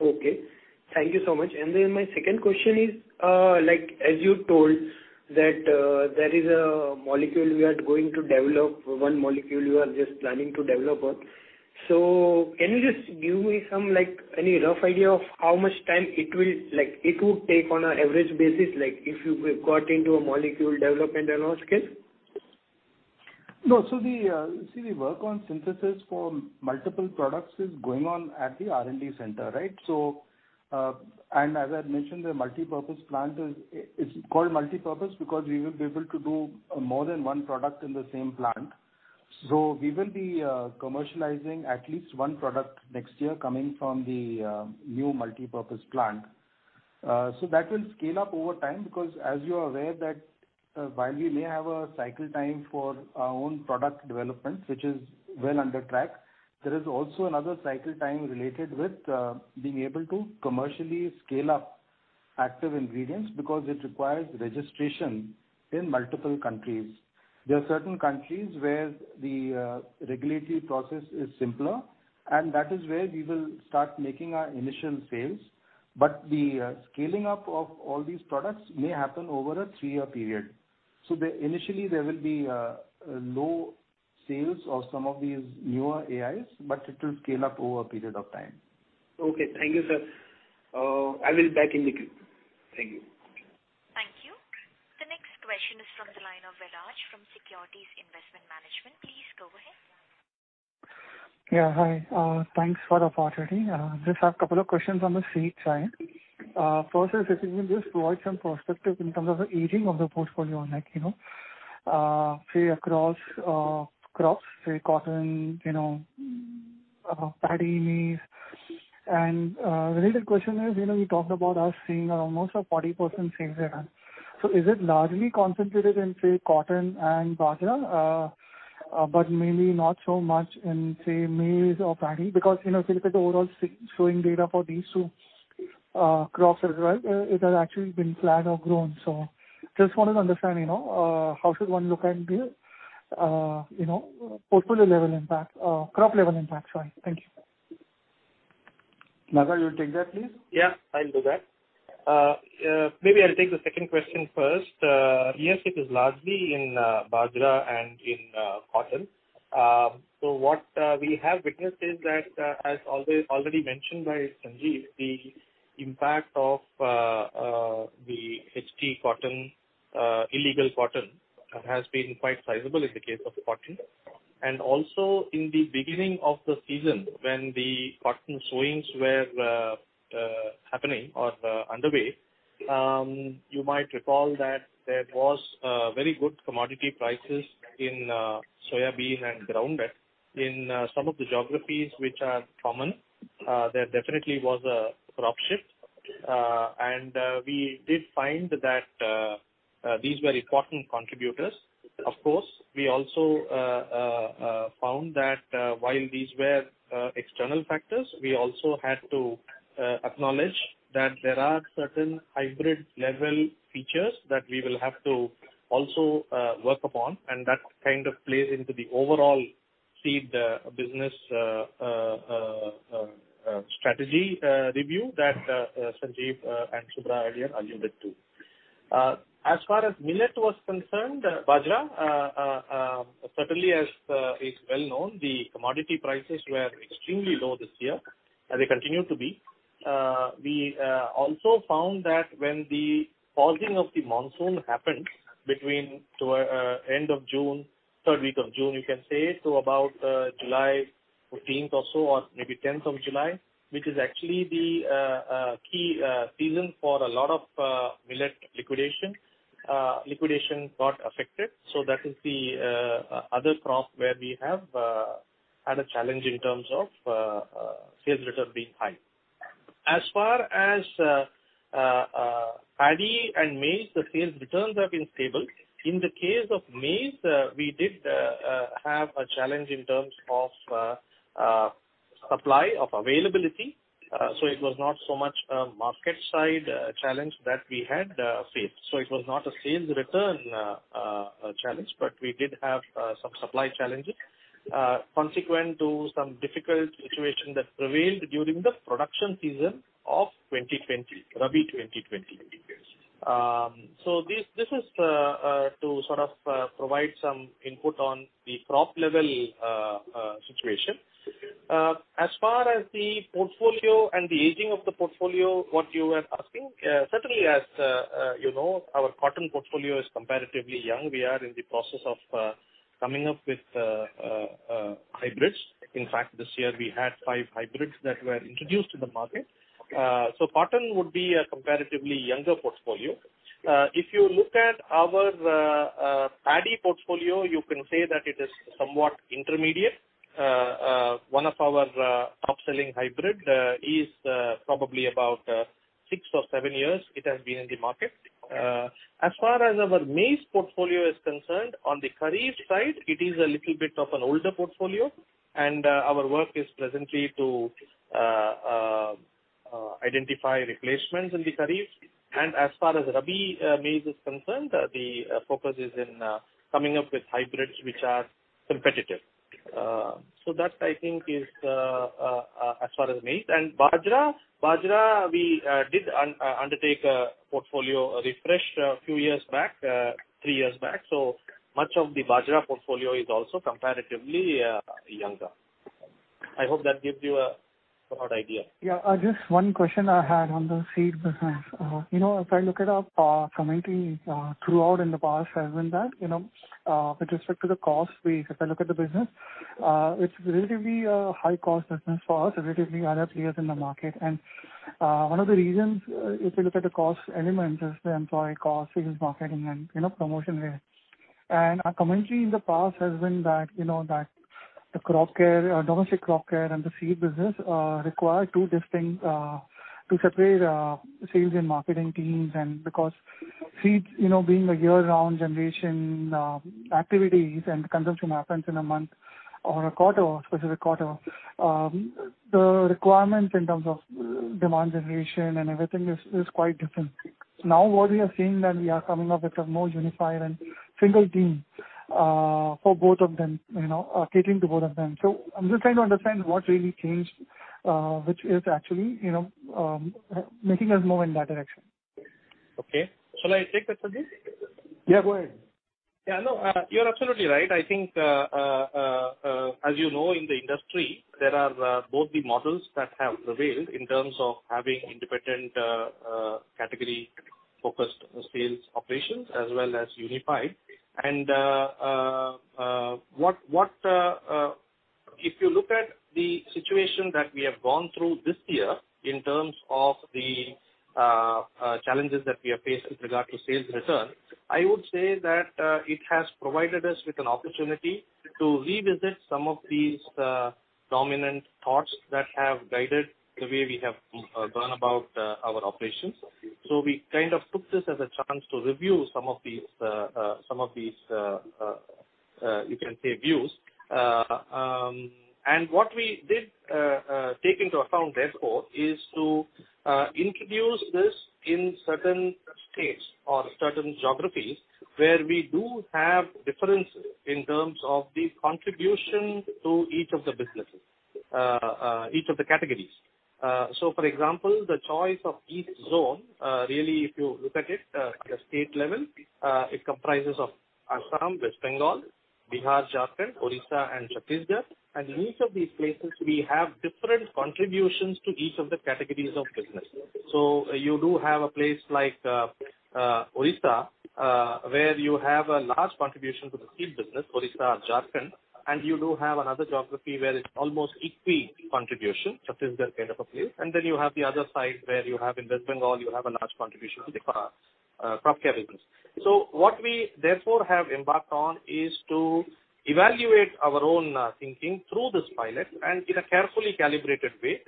Speaker 9: Okay. Thank you so much. My second question is, as you told, that there is a molecule we are going to develop, one molecule you are just planning to develop. Can you just give me any rough idea of how much time it will take on an average basis if you got into a molecule development and large scale?
Speaker 3: No. See, the work on synthesis for multiple products is going on at the R&D center, right? As I mentioned, the Multi-Purpose Plant is called multipurpose because we will be able to do more than one product in the same plant. We will be commercializing at least one product next year coming from the new Multi-Purpose Plant. That will scale up over time because as you are aware that while we may have a cycle time for our own product development, which is well under track, there is also another cycle time related with being able to commercially scale up active ingredients because it requires registration in multiple countries. There are certain countries where the regulatory process is simpler, that is where we will start making our initial sales. The scaling up of all these products may happen over a three-year period. Initially, there will be low sales of some of these newer AIs, but it will scale up over a period of time.
Speaker 9: Okay. Thank you, sir. I will back in the queue. Thank you.
Speaker 1: Thank you. The next question is from the line of Viraj from Securities Investment Management. Please go ahead.
Speaker 10: Yeah, hi. Thanks for the opportunity. Just have a couple of questions on the seed side. First is if you can just provide some perspective in terms of the aging of the portfolio. Like, say, across crops, say, cotton, paddy, maize. Related question is, you talked about us seeing almost a 40% sales here. Is it largely concentrated in, say, cotton and bajra, but maybe not so much in, say, maize or paddy? Because if you look at the overall sowing data for these two crops, it has actually been flat or grown. Just wanted to understand how should one look at the crop level impact side. Thank you.
Speaker 3: Naga, you take that, please?
Speaker 7: Yeah, I'll do that. Maybe I'll take the second question first. It is largely in bajra and in cotton. What we have witnessed is that, as already mentioned by Sanjiv, the impact of the illegal cotton has been quite sizable in the case of cotton. Also in the beginning of the season when the cotton sowings were happening or underway, you might recall that there was very good commodity prices in soybean and groundnut. In some of the geographies which are common, there definitely was a crop shift. We did find that these were important contributors. Of course, we also found that while these were external factors, we also had to acknowledge that there are certain hybrid level features that we will have to also work upon. That kind of plays into the overall seed business strategy review that Sanjiv Lal and Subhra Gourisaria earlier alluded to. As far as millet was concerned, bajra, certainly as is well known, the commodity prices were extremely low this year. They continue to be. We also found that when the pausing of the monsoon happened between end of June, third week of June, you can say, about July 14th or so, or maybe 10th of July, which is actually the key season for a lot of millet liquidation got affected. That is the other crop where we have had a challenge in terms of sales return being high. As far as paddy and maize, the sales returns have been stable. In the case of maize, we did have a challenge in terms of supply, of availability. It was not so much a market side challenge that we had faced. It was not a sales return challenge, but we did have some supply challenges consequent to some difficult situation that prevailed during the production season of Rabi 2020. This is to sort of provide some input on the crop level situation. As far as the portfolio and the aging of the portfolio, what you were asking, certainly as you know, our cotton portfolio is comparatively young. We are in the process of coming up with hybrids. In fact, this year we had five hybrids that were introduced in the market. Cotton would be a comparatively younger portfolio. If you look at our paddy portfolio, you can say that it is somewhat intermediate. One of our top-selling hybrid is probably about six or seven years it has been in the market. As far as our maize portfolio is concerned, on the kharif side, it is a little bit of an older portfolio, and our work is presently to identify replacements in the kharif. As far as rabi maize is concerned, the focus is in coming up with hybrids which are competitive. That I think is as far as maize. Bajra, we did undertake a portfolio refresh a few years back, three years back. Much of the bajra portfolio is also comparatively younger. I hope that gives you a broad idea.
Speaker 10: Yeah. Just one question I had on the seed business. If I look at our commentary throughout in the past has been that with respect to the cost base, if I look at the business, it's relatively a high cost business for us, relatively other players in the market. One of the reasons, if you look at the cost elements, is the employee cost, sales marketing, and promotion here. Our commentary in the past has been that the domestic crop care and the seed business require two separate sales and marketing teams because seeds being a year-round generation activities and consumption happens in a month or a quarter, specific quarter, the requirements in terms of demand generation and everything is quite different. What we are seeing that we are coming up with a more unified and single team for both of them, catering to both of them. I'm just trying to understand what really changed which is actually making us move in that direction.
Speaker 7: Okay. Shall I take that, Sanjiv?
Speaker 3: Yeah, go ahead.
Speaker 7: Yeah, no, you're absolutely right. I think, as you know, in the industry, there are both the models that have prevailed in terms of having independent category-focused sales operations as well as unified. If you look at the situation that we have gone through this year in terms of the challenges that we have faced with regard to sales return, I would say that it has provided us with an opportunity to revisit some of these dominant thoughts that have guided the way we have gone about our operations. We kind of took this as a chance to review some of these, you can say, views. What we did take into account, therefore, is to introduce this in certain states or certain geographies where we do have differences in terms of the contribution to each of the businesses, each of the categories. For example, the choice of each zone, really if you look at it at a state level, it comprises of Assam, West Bengal, Bihar, Jharkhand, Odisha and Chhattisgarh. In each of these places, we have different contributions to each of the categories of business. You do have a place like Odisha where you have a large contribution to the seed business, Odisha, Jharkhand, and you do have another geography where it's almost equal contribution, Chhattisgarh kind of a place. You have the other side where you have in West Bengal, you have a large contribution to the crop care business. What we therefore have embarked on is to evaluate our own thinking through this pilot and in a carefully calibrated way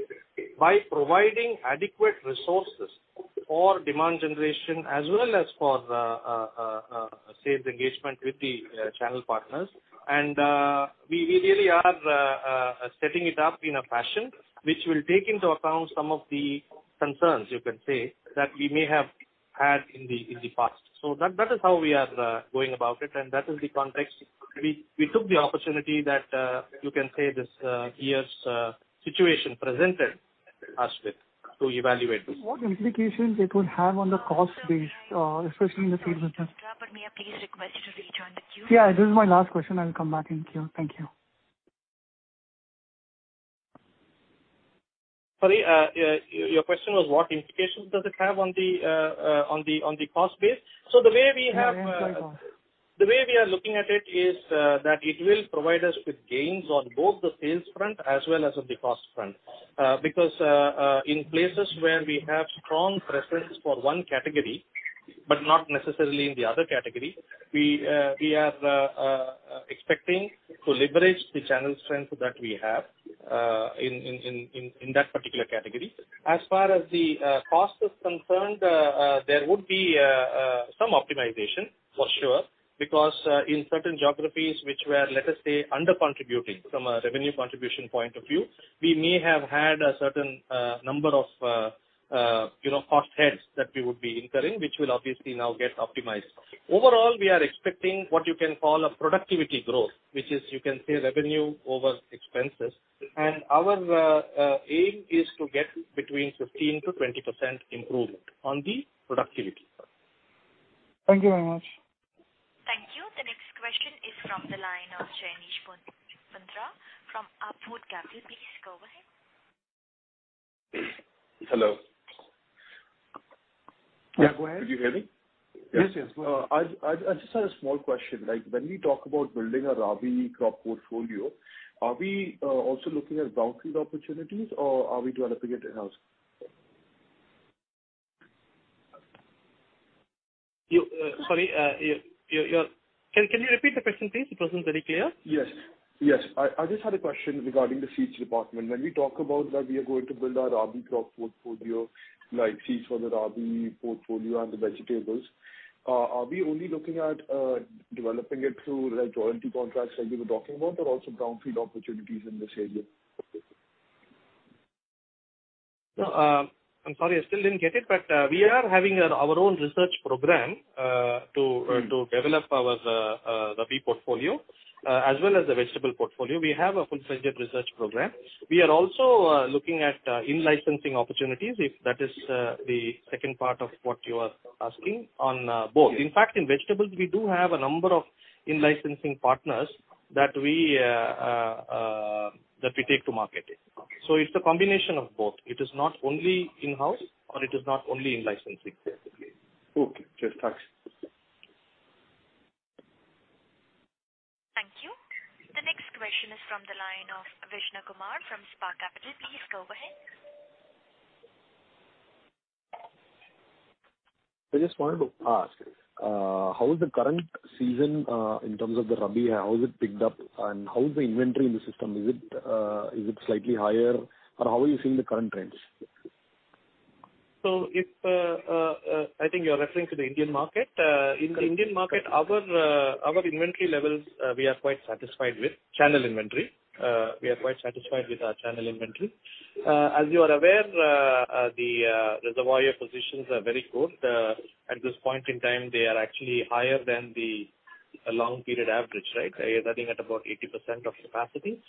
Speaker 7: by providing adequate resources for demand generation as well as for sales engagement with the channel partners. We really are setting it up in a fashion which will take into account some of the concerns, you can say, that we may have had in the past. That is how we are going about it, and that is the context. We took the opportunity that, you can say, this year's situation presented us with to evaluate this.
Speaker 10: What implications it would have on the cost base, especially in the seed business?
Speaker 1: May I please request you to rejoin the queue.
Speaker 10: Yeah, this is my last question. I'll come back in queue. Thank you.
Speaker 7: Sorry. Your question was what implications does it have on the cost base?
Speaker 10: Yeah.
Speaker 7: The way we are looking at it is that it will provide us with gains on both the sales front as well as on the cost front. In places where we have strong presence for one category, but not necessarily in the other category, we are expecting to leverage the channel strength that we have in that particular category. As far as the cost is concerned, there would be some optimization for sure, because in certain geographies which were, let us say, under-contributing from a revenue contribution point of view, we may have had a certain number of cost heads that we would be incurring, which will obviously now get optimized. Overall, we are expecting what you can call a productivity growth, which is, you can say, revenue over expenses. Our aim is to get between 15%-20% improvement on the productivity front.
Speaker 10: Thank you very much.
Speaker 1: Thank you. The next question is from the line of Jaynish Pantra from Upfood Capital. Please go ahead.
Speaker 11: Hello.
Speaker 7: Yeah, go ahead.
Speaker 11: Could you hear me?
Speaker 7: Yes. Go ahead.
Speaker 11: I just had a small question. When we talk about building a rabi crop portfolio, are we also looking at brownfield opportunities or are we developing it in-house?
Speaker 7: Sorry. Can you repeat the question, please? It wasn't very clear.
Speaker 11: Yes. I just had a question regarding the seeds department. When we talk about that we are going to build our rabi crop portfolio, like seeds for the rabi portfolio and the vegetables, are we only looking at developing it through loyalty contracts like you were talking about or also brownfield opportunities in this area?
Speaker 7: No. I'm sorry, I still didn't get it, we are having our own research program to develop our rabi portfolio, as well as the vegetable portfolio. We have a full-fledged research program. We are also looking at in-licensing opportunities, if that is the second part of what you are asking on both. In fact, in vegetables, we do have a number of in-licensing partners that we take to market. It's a combination of both. It is not only in-house or it is not only in-licensing, basically.
Speaker 11: Okay. Cheers. Thanks.
Speaker 1: Thank you. The next question is from the line of Vishnu Kumar from Spark Capital. Please go ahead.
Speaker 12: I just wanted to ask, how is the current season in terms of the rabi? How is it picked up and how is the inventory in the system? Is it slightly higher or how are you seeing the current trends?
Speaker 7: I think you're referring to the Indian market. In the Indian market, our inventory levels, we are quite satisfied with. We are quite satisfied with our channel inventory. As you are aware, the reservoir positions are very good. At this point in time, they are actually higher than the long period average, right? They are running at about 80% of capacity,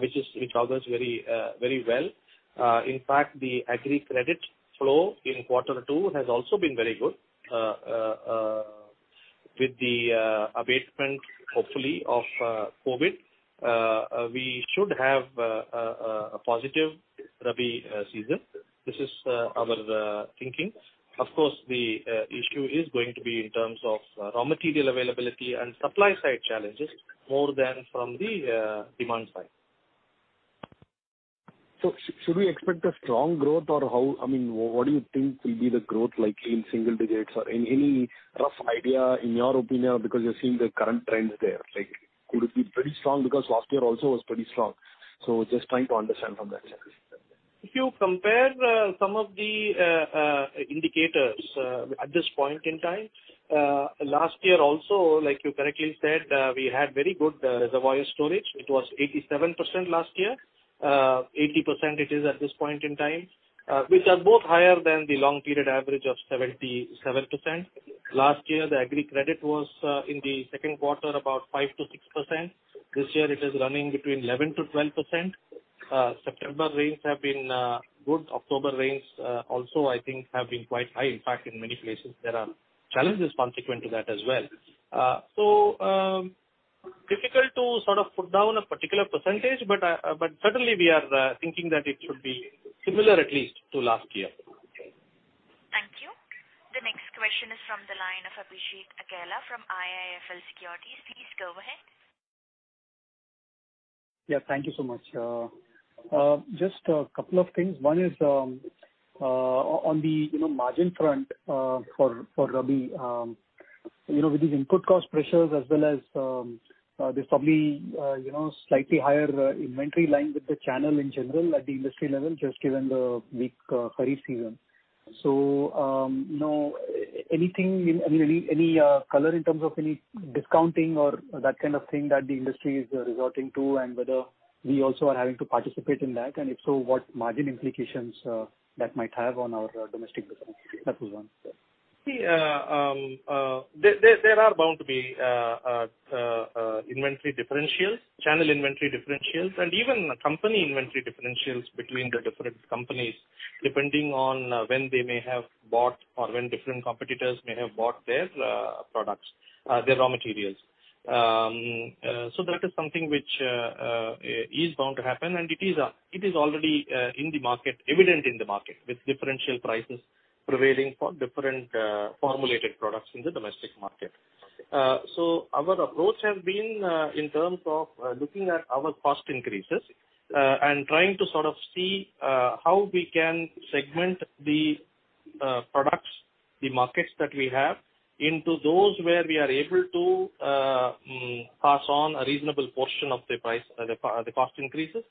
Speaker 7: which augurs very well. In fact, the agri credit flow in Q2 has also been very good. With the abatement, hopefully, of COVID, we should have a positive rabi season. This is our thinking. Of course, the issue is going to be in terms of raw material availability and supply side challenges more than from the demand side.
Speaker 12: Should we expect a strong growth? What do you think will be the growth like in single digits, or any rough idea in your opinion, because you're seeing the current trends there? Could it be pretty strong because last year also was pretty strong. Just trying to understand from that perspective.
Speaker 7: If you compare some of the indicators at this point in time, last year also, like you correctly said, we had very good reservoir storage. It was 87% last year. 80% it is at this point in time, which are both higher than the long period average of 77%. Last year, the agri credit was in the second quarter about 5%-6%. This year it is running between 11%-12%. September rains have been good. October rains also I think have been quite high. In fact, in many places, there are challenges consequent to that as well. Difficult to sort of put down a particular percentage, but certainly we are thinking that it should be similar at least to last year.
Speaker 1: Thank you. The next question is from the line of Abhishek Agela from IIFL Securities. Please go ahead.
Speaker 13: Yeah, thank you so much. Just a couple of things. One is on the margin front for rabi. With these input cost pressures as well as there's probably slightly higher inventory lying with the channel in general at the industry level, just given the weak kharif season. Anything, any color in terms of any discounting or that kind of thing that the industry is resorting to and whether we also are having to participate in that, and if so, what margin implications that might have on our domestic business? That was one.
Speaker 7: There are bound to be inventory differentials, channel inventory differentials, and even company inventory differentials between the different companies, depending on when they may have bought or when different competitors may have bought their raw materials. That is something which is bound to happen, and it is already evident in the market with differential prices prevailing for different formulated products in the domestic market. Our approach has been in terms of looking at our cost increases and trying to sort of see how we can segment the products, the markets that we have into those where we are able to pass on a reasonable portion of the cost increases.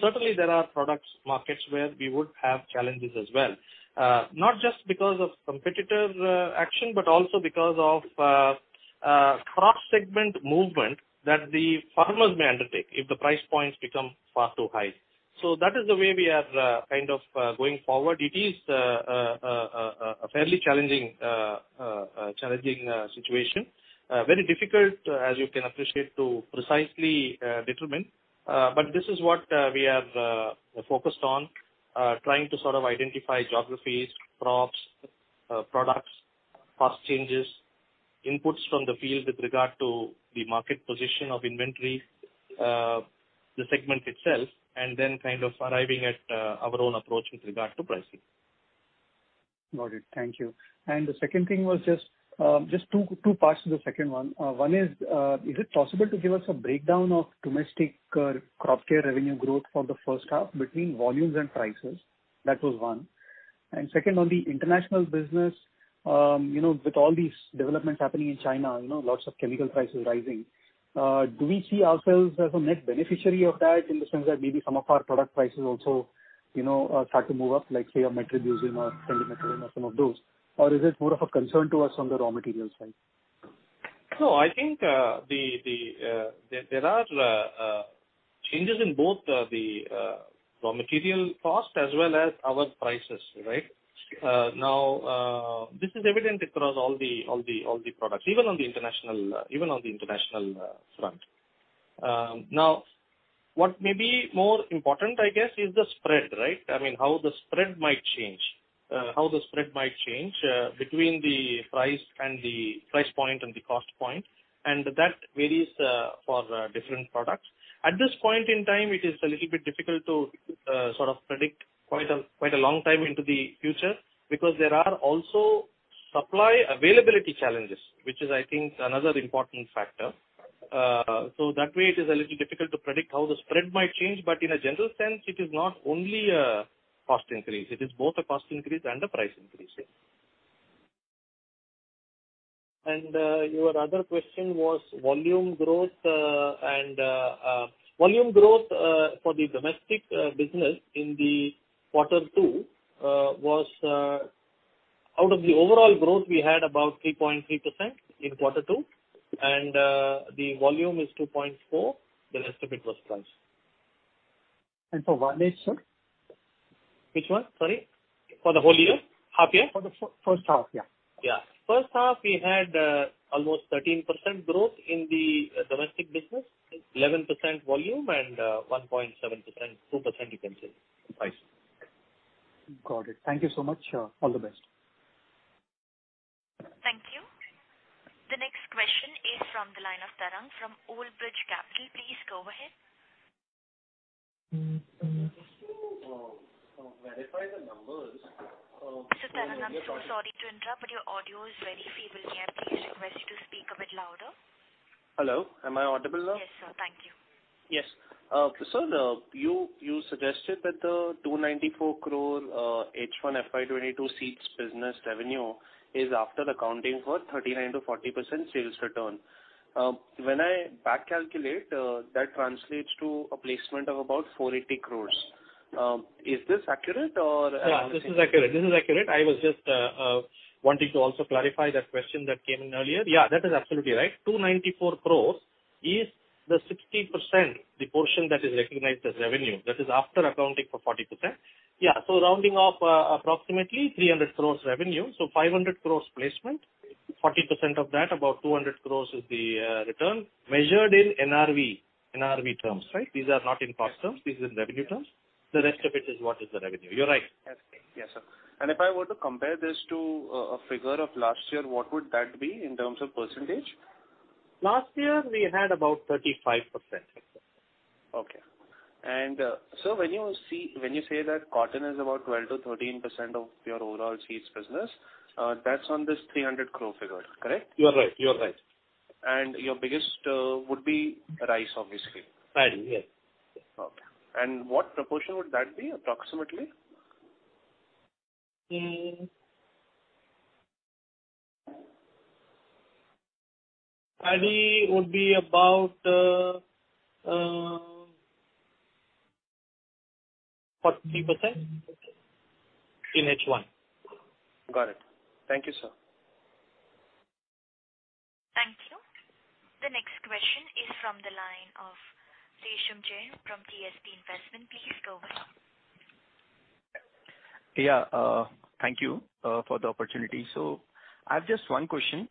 Speaker 7: Certainly, there are product markets where we would have challenges as well. Not just because of competitor action, but also because of crop segment movement that the farmers may undertake if the price points become far too high. That is the way we are kind of going forward. It is a fairly challenging situation. Very difficult, as you can appreciate, to precisely determine. This is what we are focused on, trying to sort of identify geographies, crops, products, cost changes, inputs from the field with regard to the market position of inventory, the segment itself, and then kind of arriving at our own approach with regard to pricing.
Speaker 13: Got it. Thank you. The second thing was just two parts to the second one. One, is it possible to give us a breakdown of domestic crop care revenue growth for the first half between volumes and prices? That was one. Second, on the international business with all these developments happening in China, lots of chemical prices rising. Do we see ourselves as a net beneficiary of that in the sense that maybe some of our product prices also start to move up, like say a metribuzin or pendimethalin or some of those? Or is it more of a concern to us on the raw materials side?
Speaker 7: No, I think there are changes in both the raw material cost as well as our prices, right? This is evident across all the products, even on the international front. What may be more important, I guess, is the spread, right? How the spread might change between the price point and the cost point, and that varies for different products. At this point in time, it is a little bit difficult to sort of predict quite a long time into the future because there are also supply availability challenges, which is, I think, another important factor. That way it is a little difficult to predict how the spread might change, but in a general sense, it is not only a cost increase. It is both a cost increase and a price increase.
Speaker 3: Your other question was volume growth. Volume growth for the domestic business in Q2 out of the overall growth we had about 3.3% in Q2, and the volume is 2.4%. The rest of it was price.
Speaker 13: For one day, sir?
Speaker 3: Which one, sorry? For the whole year? Half year?
Speaker 13: For the first half, yeah.
Speaker 3: Yeah. First half we had almost 13% growth in the domestic business, 11% volume and 1.7%, 2% you can say price.
Speaker 13: Got it. Thank you so much. All the best.
Speaker 1: Thank you. The next question is from the line of Tarang from Old Bridge Capital. Please go ahead.
Speaker 14: Verify the numbers.
Speaker 1: Sir Tarang, I'm so sorry to interrupt, but your audio is very feeble. May I please request you to speak a bit louder?
Speaker 14: Hello. Am I audible now?
Speaker 1: Yes, sir. Thank you.
Speaker 14: Yes. Sir, you suggested that the 294 crore H1 FY 2022 seeds business revenue is after accounting for 39%-40% sales return. When I back calculate, that translates to a placement of about 480 crore. Is this accurate?
Speaker 3: This is accurate. I was just wanting to also clarify that question that came in earlier. That is absolutely right. 294 crores is the 60%, the portion that is recognized as revenue. That is after accounting for 40%. Rounding off approximately 300 crores revenue. 500 crores placement, 40% of that, about 200 crores is the return measured in NRV terms, right? These are not in cost terms, these are in revenue terms. The rest of it is what is the revenue. You're right.
Speaker 14: Okay. Yes, sir. If I were to compare this to a figure of last year, what would that be in terms of percentage?
Speaker 3: Last year we had about 35%.
Speaker 14: Okay. Sir, when you say that cotton is about 12%-13% of your overall seeds business, that's on this 300 crore figure, correct?
Speaker 3: You are right.
Speaker 14: Your biggest would be rice, obviously.
Speaker 3: Paddy, yes.
Speaker 14: Okay. What proportion would that be approximately?
Speaker 3: Paddy would be about 40% in H1.
Speaker 14: Got it. Thank you, sir.
Speaker 1: Thank you. The next question is from the line of Resham Jain from DSP Investment Managers. Please go ahead.
Speaker 15: Yeah. Thank you for the opportunity. I have just one question.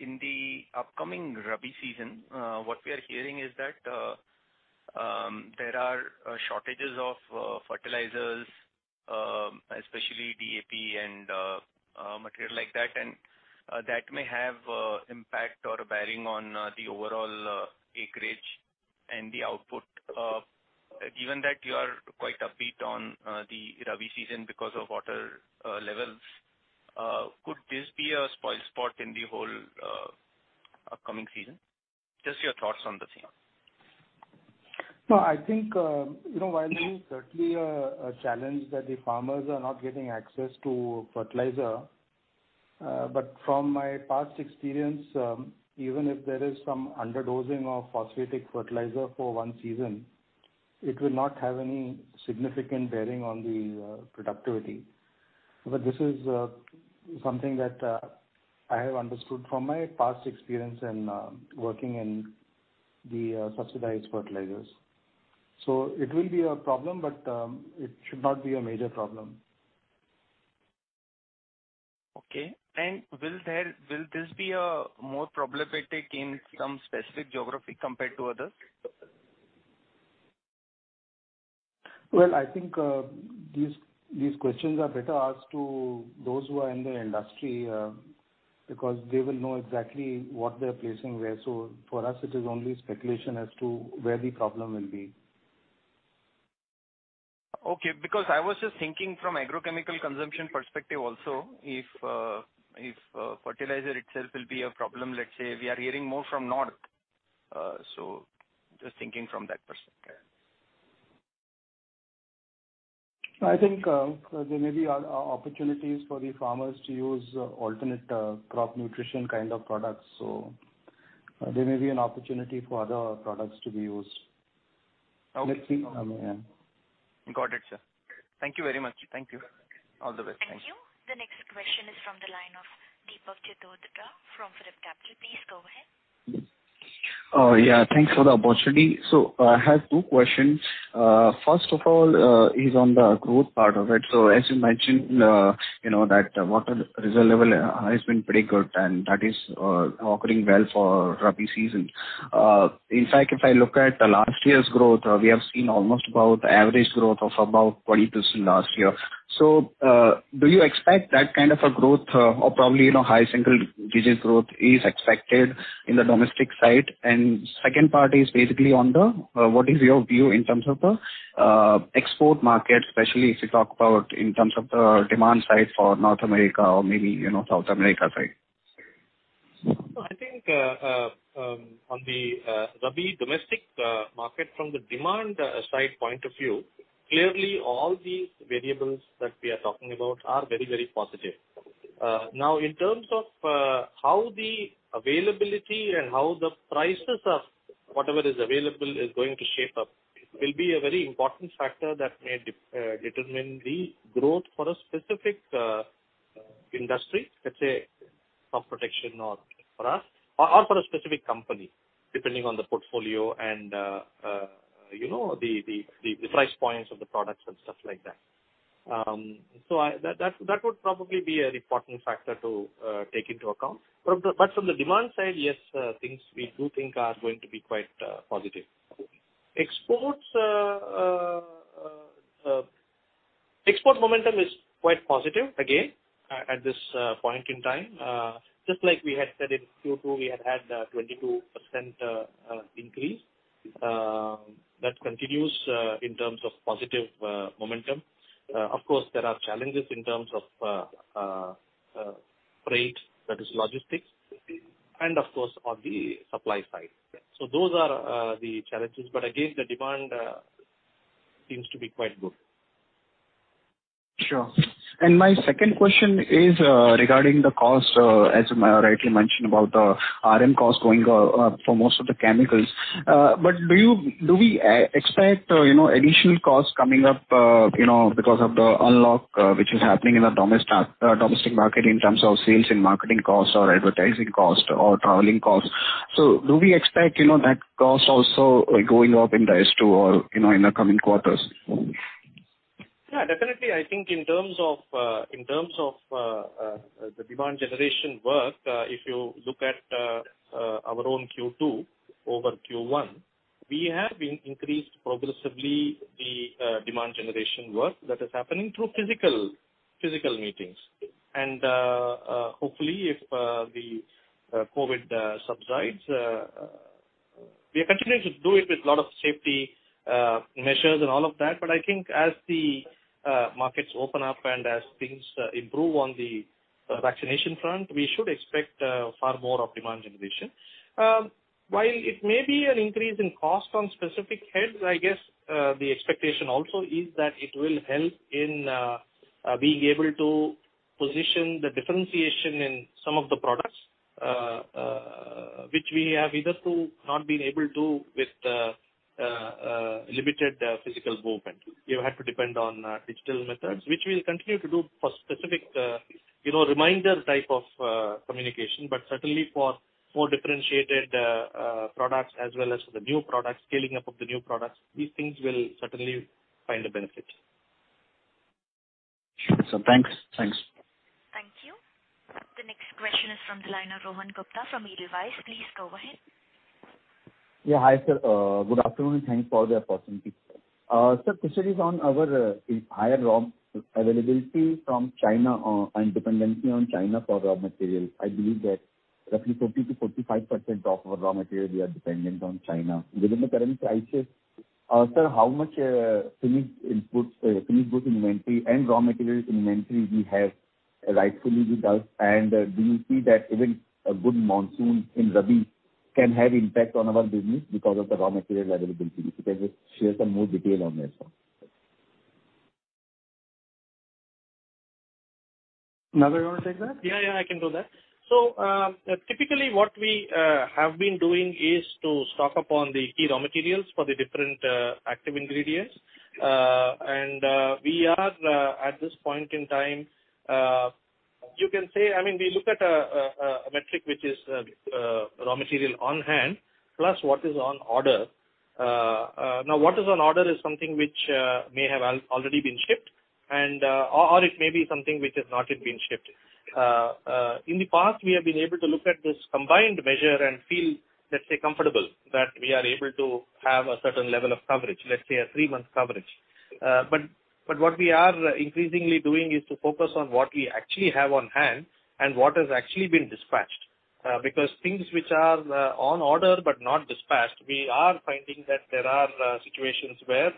Speaker 15: In the upcoming rabi season, what we are hearing is that there are shortages of fertilizers, especially DAP and material like that, and that may have impact or a bearing on the overall acreage and the output. Given that you are quite upbeat on the rabi season because of water levels, could this be a spoil spot in the whole upcoming season? Just your thoughts on the same.
Speaker 3: I think while there is certainly a challenge that the farmers are not getting access to fertilizer. From my past experience, even if there is some underdosing of phosphatic fertilizer for one season, it will not have any significant bearing on the productivity. This is something that I have understood from my past experience in working in the subsidized fertilizers. It will be a problem, but it should not be a major problem.
Speaker 15: Okay. Will this be more problematic in some specific geography compared to others?
Speaker 3: Well, I think these questions are better asked to those who are in the industry, because they will know exactly what they're placing where. For us, it is only speculation as to where the problem will be.
Speaker 15: Okay. I was just thinking from agrochemical consumption perspective also, if fertilizer itself will be a problem, let's say we are hearing more from North. Just thinking from that perspective.
Speaker 3: I think there may be opportunities for the farmers to use alternate crop nutrition kind of products. There may be an opportunity for other products to be used.
Speaker 15: Okay. Got it, sir. Thank you very much. Thank you. All the best.
Speaker 1: Thank you. The next question is from the line of Deepak Chitroda from PhillipCapital. Please go ahead.
Speaker 16: Yeah. Thanks for the opportunity. I have two questions. First of all is on the growth part of it. As you mentioned, that water reserve level has been pretty good and that is occurring well for Rabi season. In fact, if I look at last year's growth, we have seen almost about average growth of about 20% last year. Do you expect that kind of a growth or probably high single digits growth is expected in the domestic side? Second part is basically on what is your view in terms of the export market, especially if you talk about in terms of the demand side for North America or maybe South America side?
Speaker 7: I think on the rabi domestic market from the demand side point of view, clearly all the variables that we are talking about are very positive. In terms of how the availability and how the prices of whatever is available is going to shape up will be a very important factor that may determine the growth for a specific industry, let's say, for protection or for us, or for a specific company, depending on the portfolio and the price points of the products and stuff like that. That would probably be an important factor to take into account. From the demand side, yes, things we do think are going to be quite positive. Export momentum is quite positive, again, at this point in time. Just like we had said in Q2, we had had a 22% increase. That continues in terms of positive momentum. Of course, there are challenges in terms of freight, that is logistics, and of course, on the supply side. Those are the challenges. Again, the demand seems to be quite good.
Speaker 16: Sure. My second question is regarding the cost, as rightly mentioned about the RM cost going up for most of the chemicals. Do we expect additional costs coming up because of the unlock which is happening in the domestic market in terms of sales and marketing costs or advertising cost or traveling costs? Do we expect that cost also going up in the S2 or in the coming quarters?
Speaker 7: Definitely, I think in terms of the demand generation work if you look at our own Q2 over Q1, we have increased progressively the demand generation work that is happening through physical meetings. Hopefully, if the COVID subsides, we are continuing to do it with a lot of safety measures and all of that. I think as the markets open up and as things improve on the vaccination front, we should expect far more of demand generation. While it may be an increase in cost on specific heads, I guess, the expectation also is that it will help in being able to position the differentiation in some of the products which we have either not been able to with limited physical movement. We have had to depend on digital methods, which we'll continue to do for specific reminder type of communication. Certainly for more differentiated products as well as for the new products, scaling up of the new products, these things will certainly find a benefit.
Speaker 16: Sure. Thanks.
Speaker 1: Thank you. The next question is from the line of Rohan Gupta from Edelweiss. Please go ahead.
Speaker 17: Yeah. Hi, sir. Good afternoon. Thanks for the opportunity, sir. Sir, this is on our higher raw availability from China and dependency on China for raw material. I believe that roughly 40%-45% of our raw material we are dependent on China. Within the current crisis, sir, how much finished goods inventory and raw materials inventory we have rightfully with us? Do you see that even a good monsoon in rabi can have impact on our business because of the raw materials availability? If you can just share some more detail on this one.
Speaker 7: Nagarajan, you want to take that? Yeah, I can do that. Typically what we have been doing is to stock up on the key raw materials for the different active ingredients. We are at this point in time, you can say, we look at a metric which is raw material on hand plus what is on order. What is on order is something which may have already been shipped or it may be something which has not yet been shipped. In the past, we have been able to look at this combined measure and feel, let's say, comfortable that we are able to have a certain level of coverage, let's say a three-month coverage. What we are increasingly doing is to focus on what we actually have on hand and what has actually been dispatched. Things which are on order but not dispatched, we are finding that there are situations where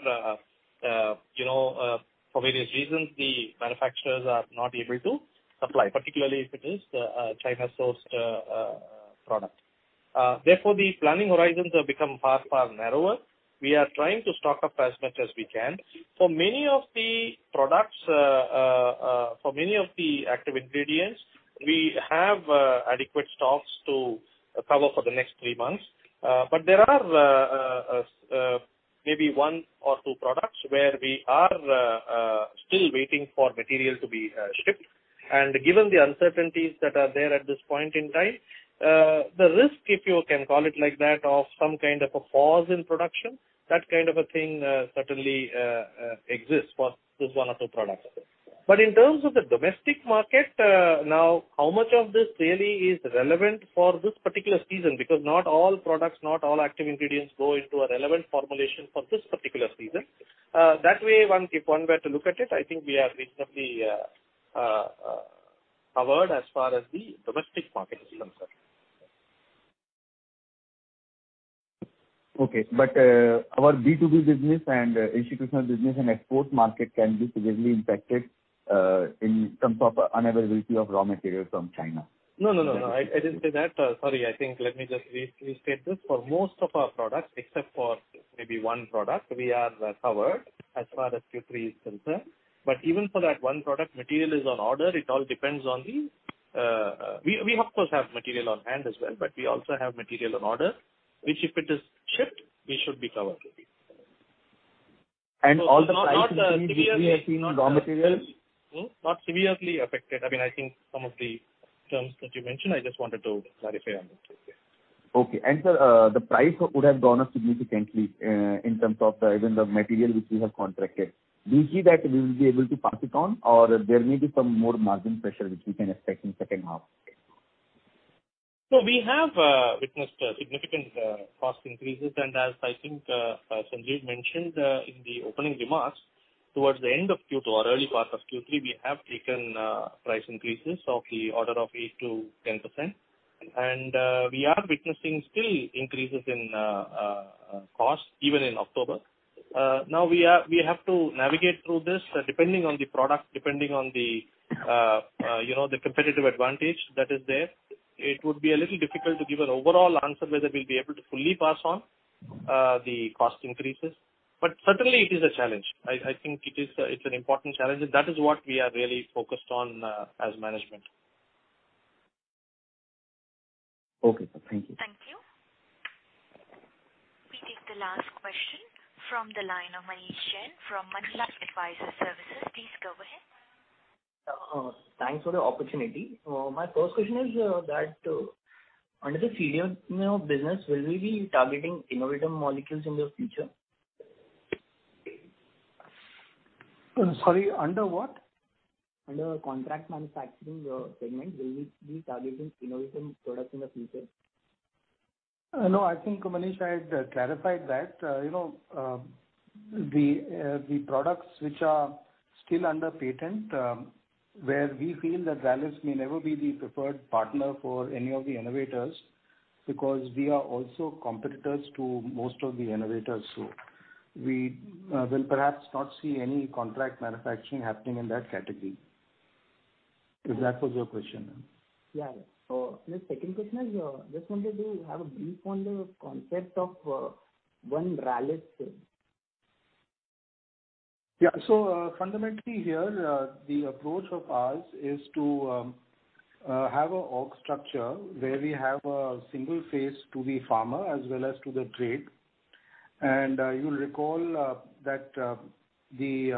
Speaker 7: for various reasons, the manufacturers are not able to supply, particularly if it is a China-sourced product. The planning horizons have become far narrower. We are trying to stock up as much as we can. For many of the products, for many of the active ingredients, we have adequate stocks to cover for the next three months. There are maybe one or two products where we are still waiting for material to be shipped. Given the uncertainties that are there at this point in time, the risk, if you can call it like that, of some kind of a pause in production, that kind of a thing certainly exists for this one or two products. In terms of the domestic market now, how much of this really is relevant for this particular season? Not all products, not all active ingredients go into a relevant formulation for this particular season. That way, if one were to look at it, I think we are reasonably covered as far as the domestic market is concerned.
Speaker 17: Okay. Our B2B business and institutional business and export market can be severely impacted in terms of unavailability of raw materials from China.
Speaker 3: No, I didn't say that. Sorry, I think let me just restate this. For most of our products, except for maybe one product, we are covered as far as Q3 is concerned. Even for that one product, material is on order. We, of course, have material on hand as well, but we also have material on order, which if it is shipped, we should be covered.
Speaker 17: All the price raw materials.
Speaker 3: Not severely affected. I think some of the terms that you mentioned, I just wanted to clarify on this. Okay.
Speaker 17: Okay. Sir, the price would have gone up significantly in terms of even the material which we have contracted. Do you see that we will be able to pass it on or there may be some more margin pressure which we can expect in second half?
Speaker 7: We have witnessed significant cost increases and as I think Sanjiv mentioned in the opening remarks, towards the end of Q2 or early part of Q3, we have taken price increases of the order of 8%-10%. We are witnessing still increases in cost even in October. We have to navigate through this depending on the product, depending on the competitive advantage that is there. It would be a little difficult to give an overall answer whether we will be able to fully pass on the cost increases. Certainly it is a challenge. I think it is an important challenge, and that is what we are really focused on as management.
Speaker 17: Okay, sir. Thank you.
Speaker 1: Thank you. We take the last question from the line of Manish Jain from Manulife Financial Advisors. Please go ahead.
Speaker 18: Thanks for the opportunity. My first question is that under the CDMO business, will we be targeting innovative molecules in the future?
Speaker 3: Sorry, under what?
Speaker 18: Under contract manufacturing segment, will we be targeting innovative products in the future?
Speaker 3: No. I think, Manish, I had clarified that. The products which are still under patent, where we feel that Rallis may never be the preferred partner for any of the innovators because we are also competitors to most of the innovators. We will perhaps not see any contract manufacturing happening in that category. If that was your question.
Speaker 18: Yeah. My second question is, I just wanted to have a brief on the concept of One Rallis.
Speaker 3: Fundamentally here, the approach of ours is to have an org structure where we have a single face to the farmer as well as to the trade. You'll recall that the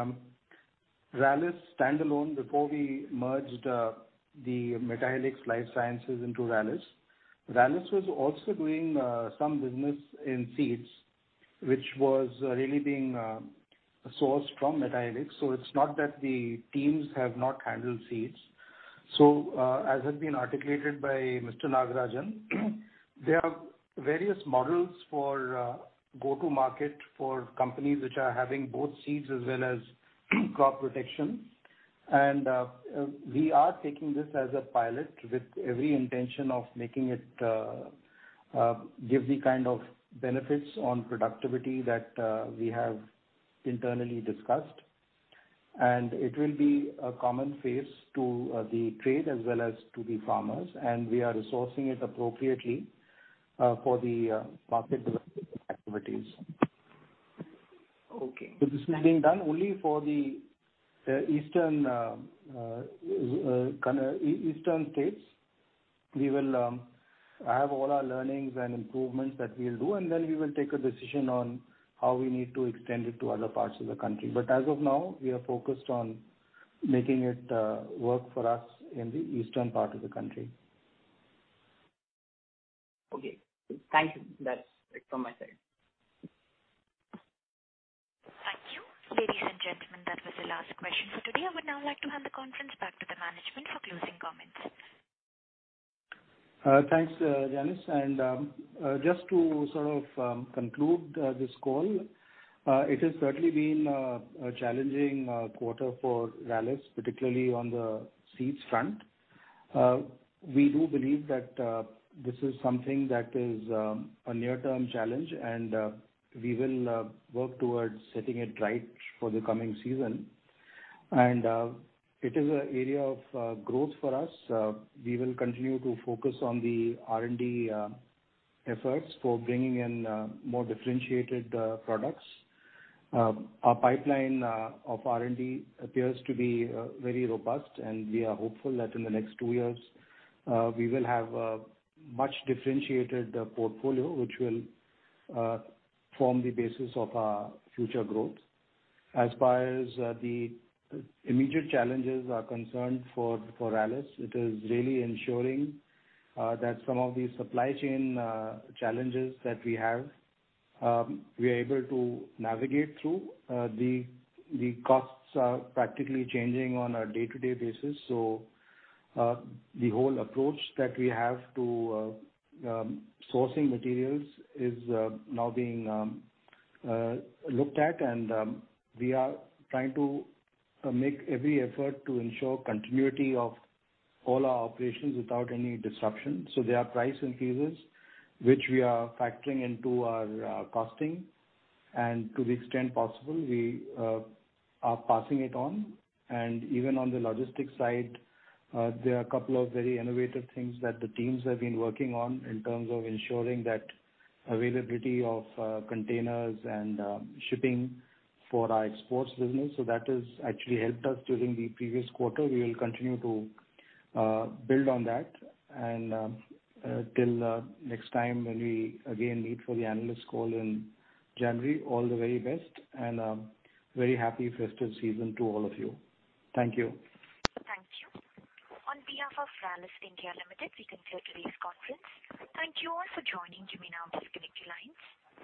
Speaker 3: Rallis standalone before we merged the Metahelix Life Sciences into Rallis. Rallis was also doing some business in seeds, which was really being sourced from Metahelix. It's not that the teams have not handled seeds. As has been articulated by Mr. Nagarajan, there are various models for go-to-market for companies which are having both seeds as well as crop protection. We are taking this as a pilot with every intention of making it give the kind of benefits on productivity that we have internally discussed. It will be a common face to the trade as well as to the farmers, and we are resourcing it appropriately for the market development activities.
Speaker 18: Okay.
Speaker 3: This is being done only for the Eastern states. We will have all our learnings and improvements that we'll do, we will take a decision on how we need to extend it to other parts of the country. As of now, we are focused on making it work for us in the Eastern part of the country.
Speaker 18: Okay. Thank you. That's it from my side.
Speaker 1: Thank you. Ladies and gentlemen, that was the last question for today. I would now like to hand the conference back to the management for closing comments.
Speaker 3: Thanks, Janice. Just to sort of conclude this call. It has certainly been a challenging quarter for Rallis, particularly on the seeds front. We do believe that this is something that is a near-term challenge, and we will work towards setting it right for the coming season. It is an area of growth for us. We will continue to focus on the R&D efforts for bringing in more differentiated products. Our pipeline of R&D appears to be very robust, and we are hopeful that in the next two years, we will have a much differentiated portfolio, which will form the basis of our future growth. As far as the immediate challenges are concerned for Rallis, it is really ensuring that some of the supply chain challenges that we have, we are able to navigate through. The costs are practically changing on a day-to-day basis, the whole approach that we have to sourcing materials is now being looked at and we are trying to make every effort to ensure continuity of all our operations without any disruption. There are price increases, which we are factoring into our costing. To the extent possible, we are passing it on. Even on the logistics side, there are a couple of very innovative things that the teams have been working on in terms of ensuring that availability of containers and shipping for our exports business. That has actually helped us during the previous quarter. We will continue to build on that and till next time when we again meet for the analyst call in January, all the very best and very happy festival season to all of you. Thank you.
Speaker 1: Thank you. On behalf of Rallis India Limited, we conclude today's conference. Thank you all for joining. You may now disconnect your lines.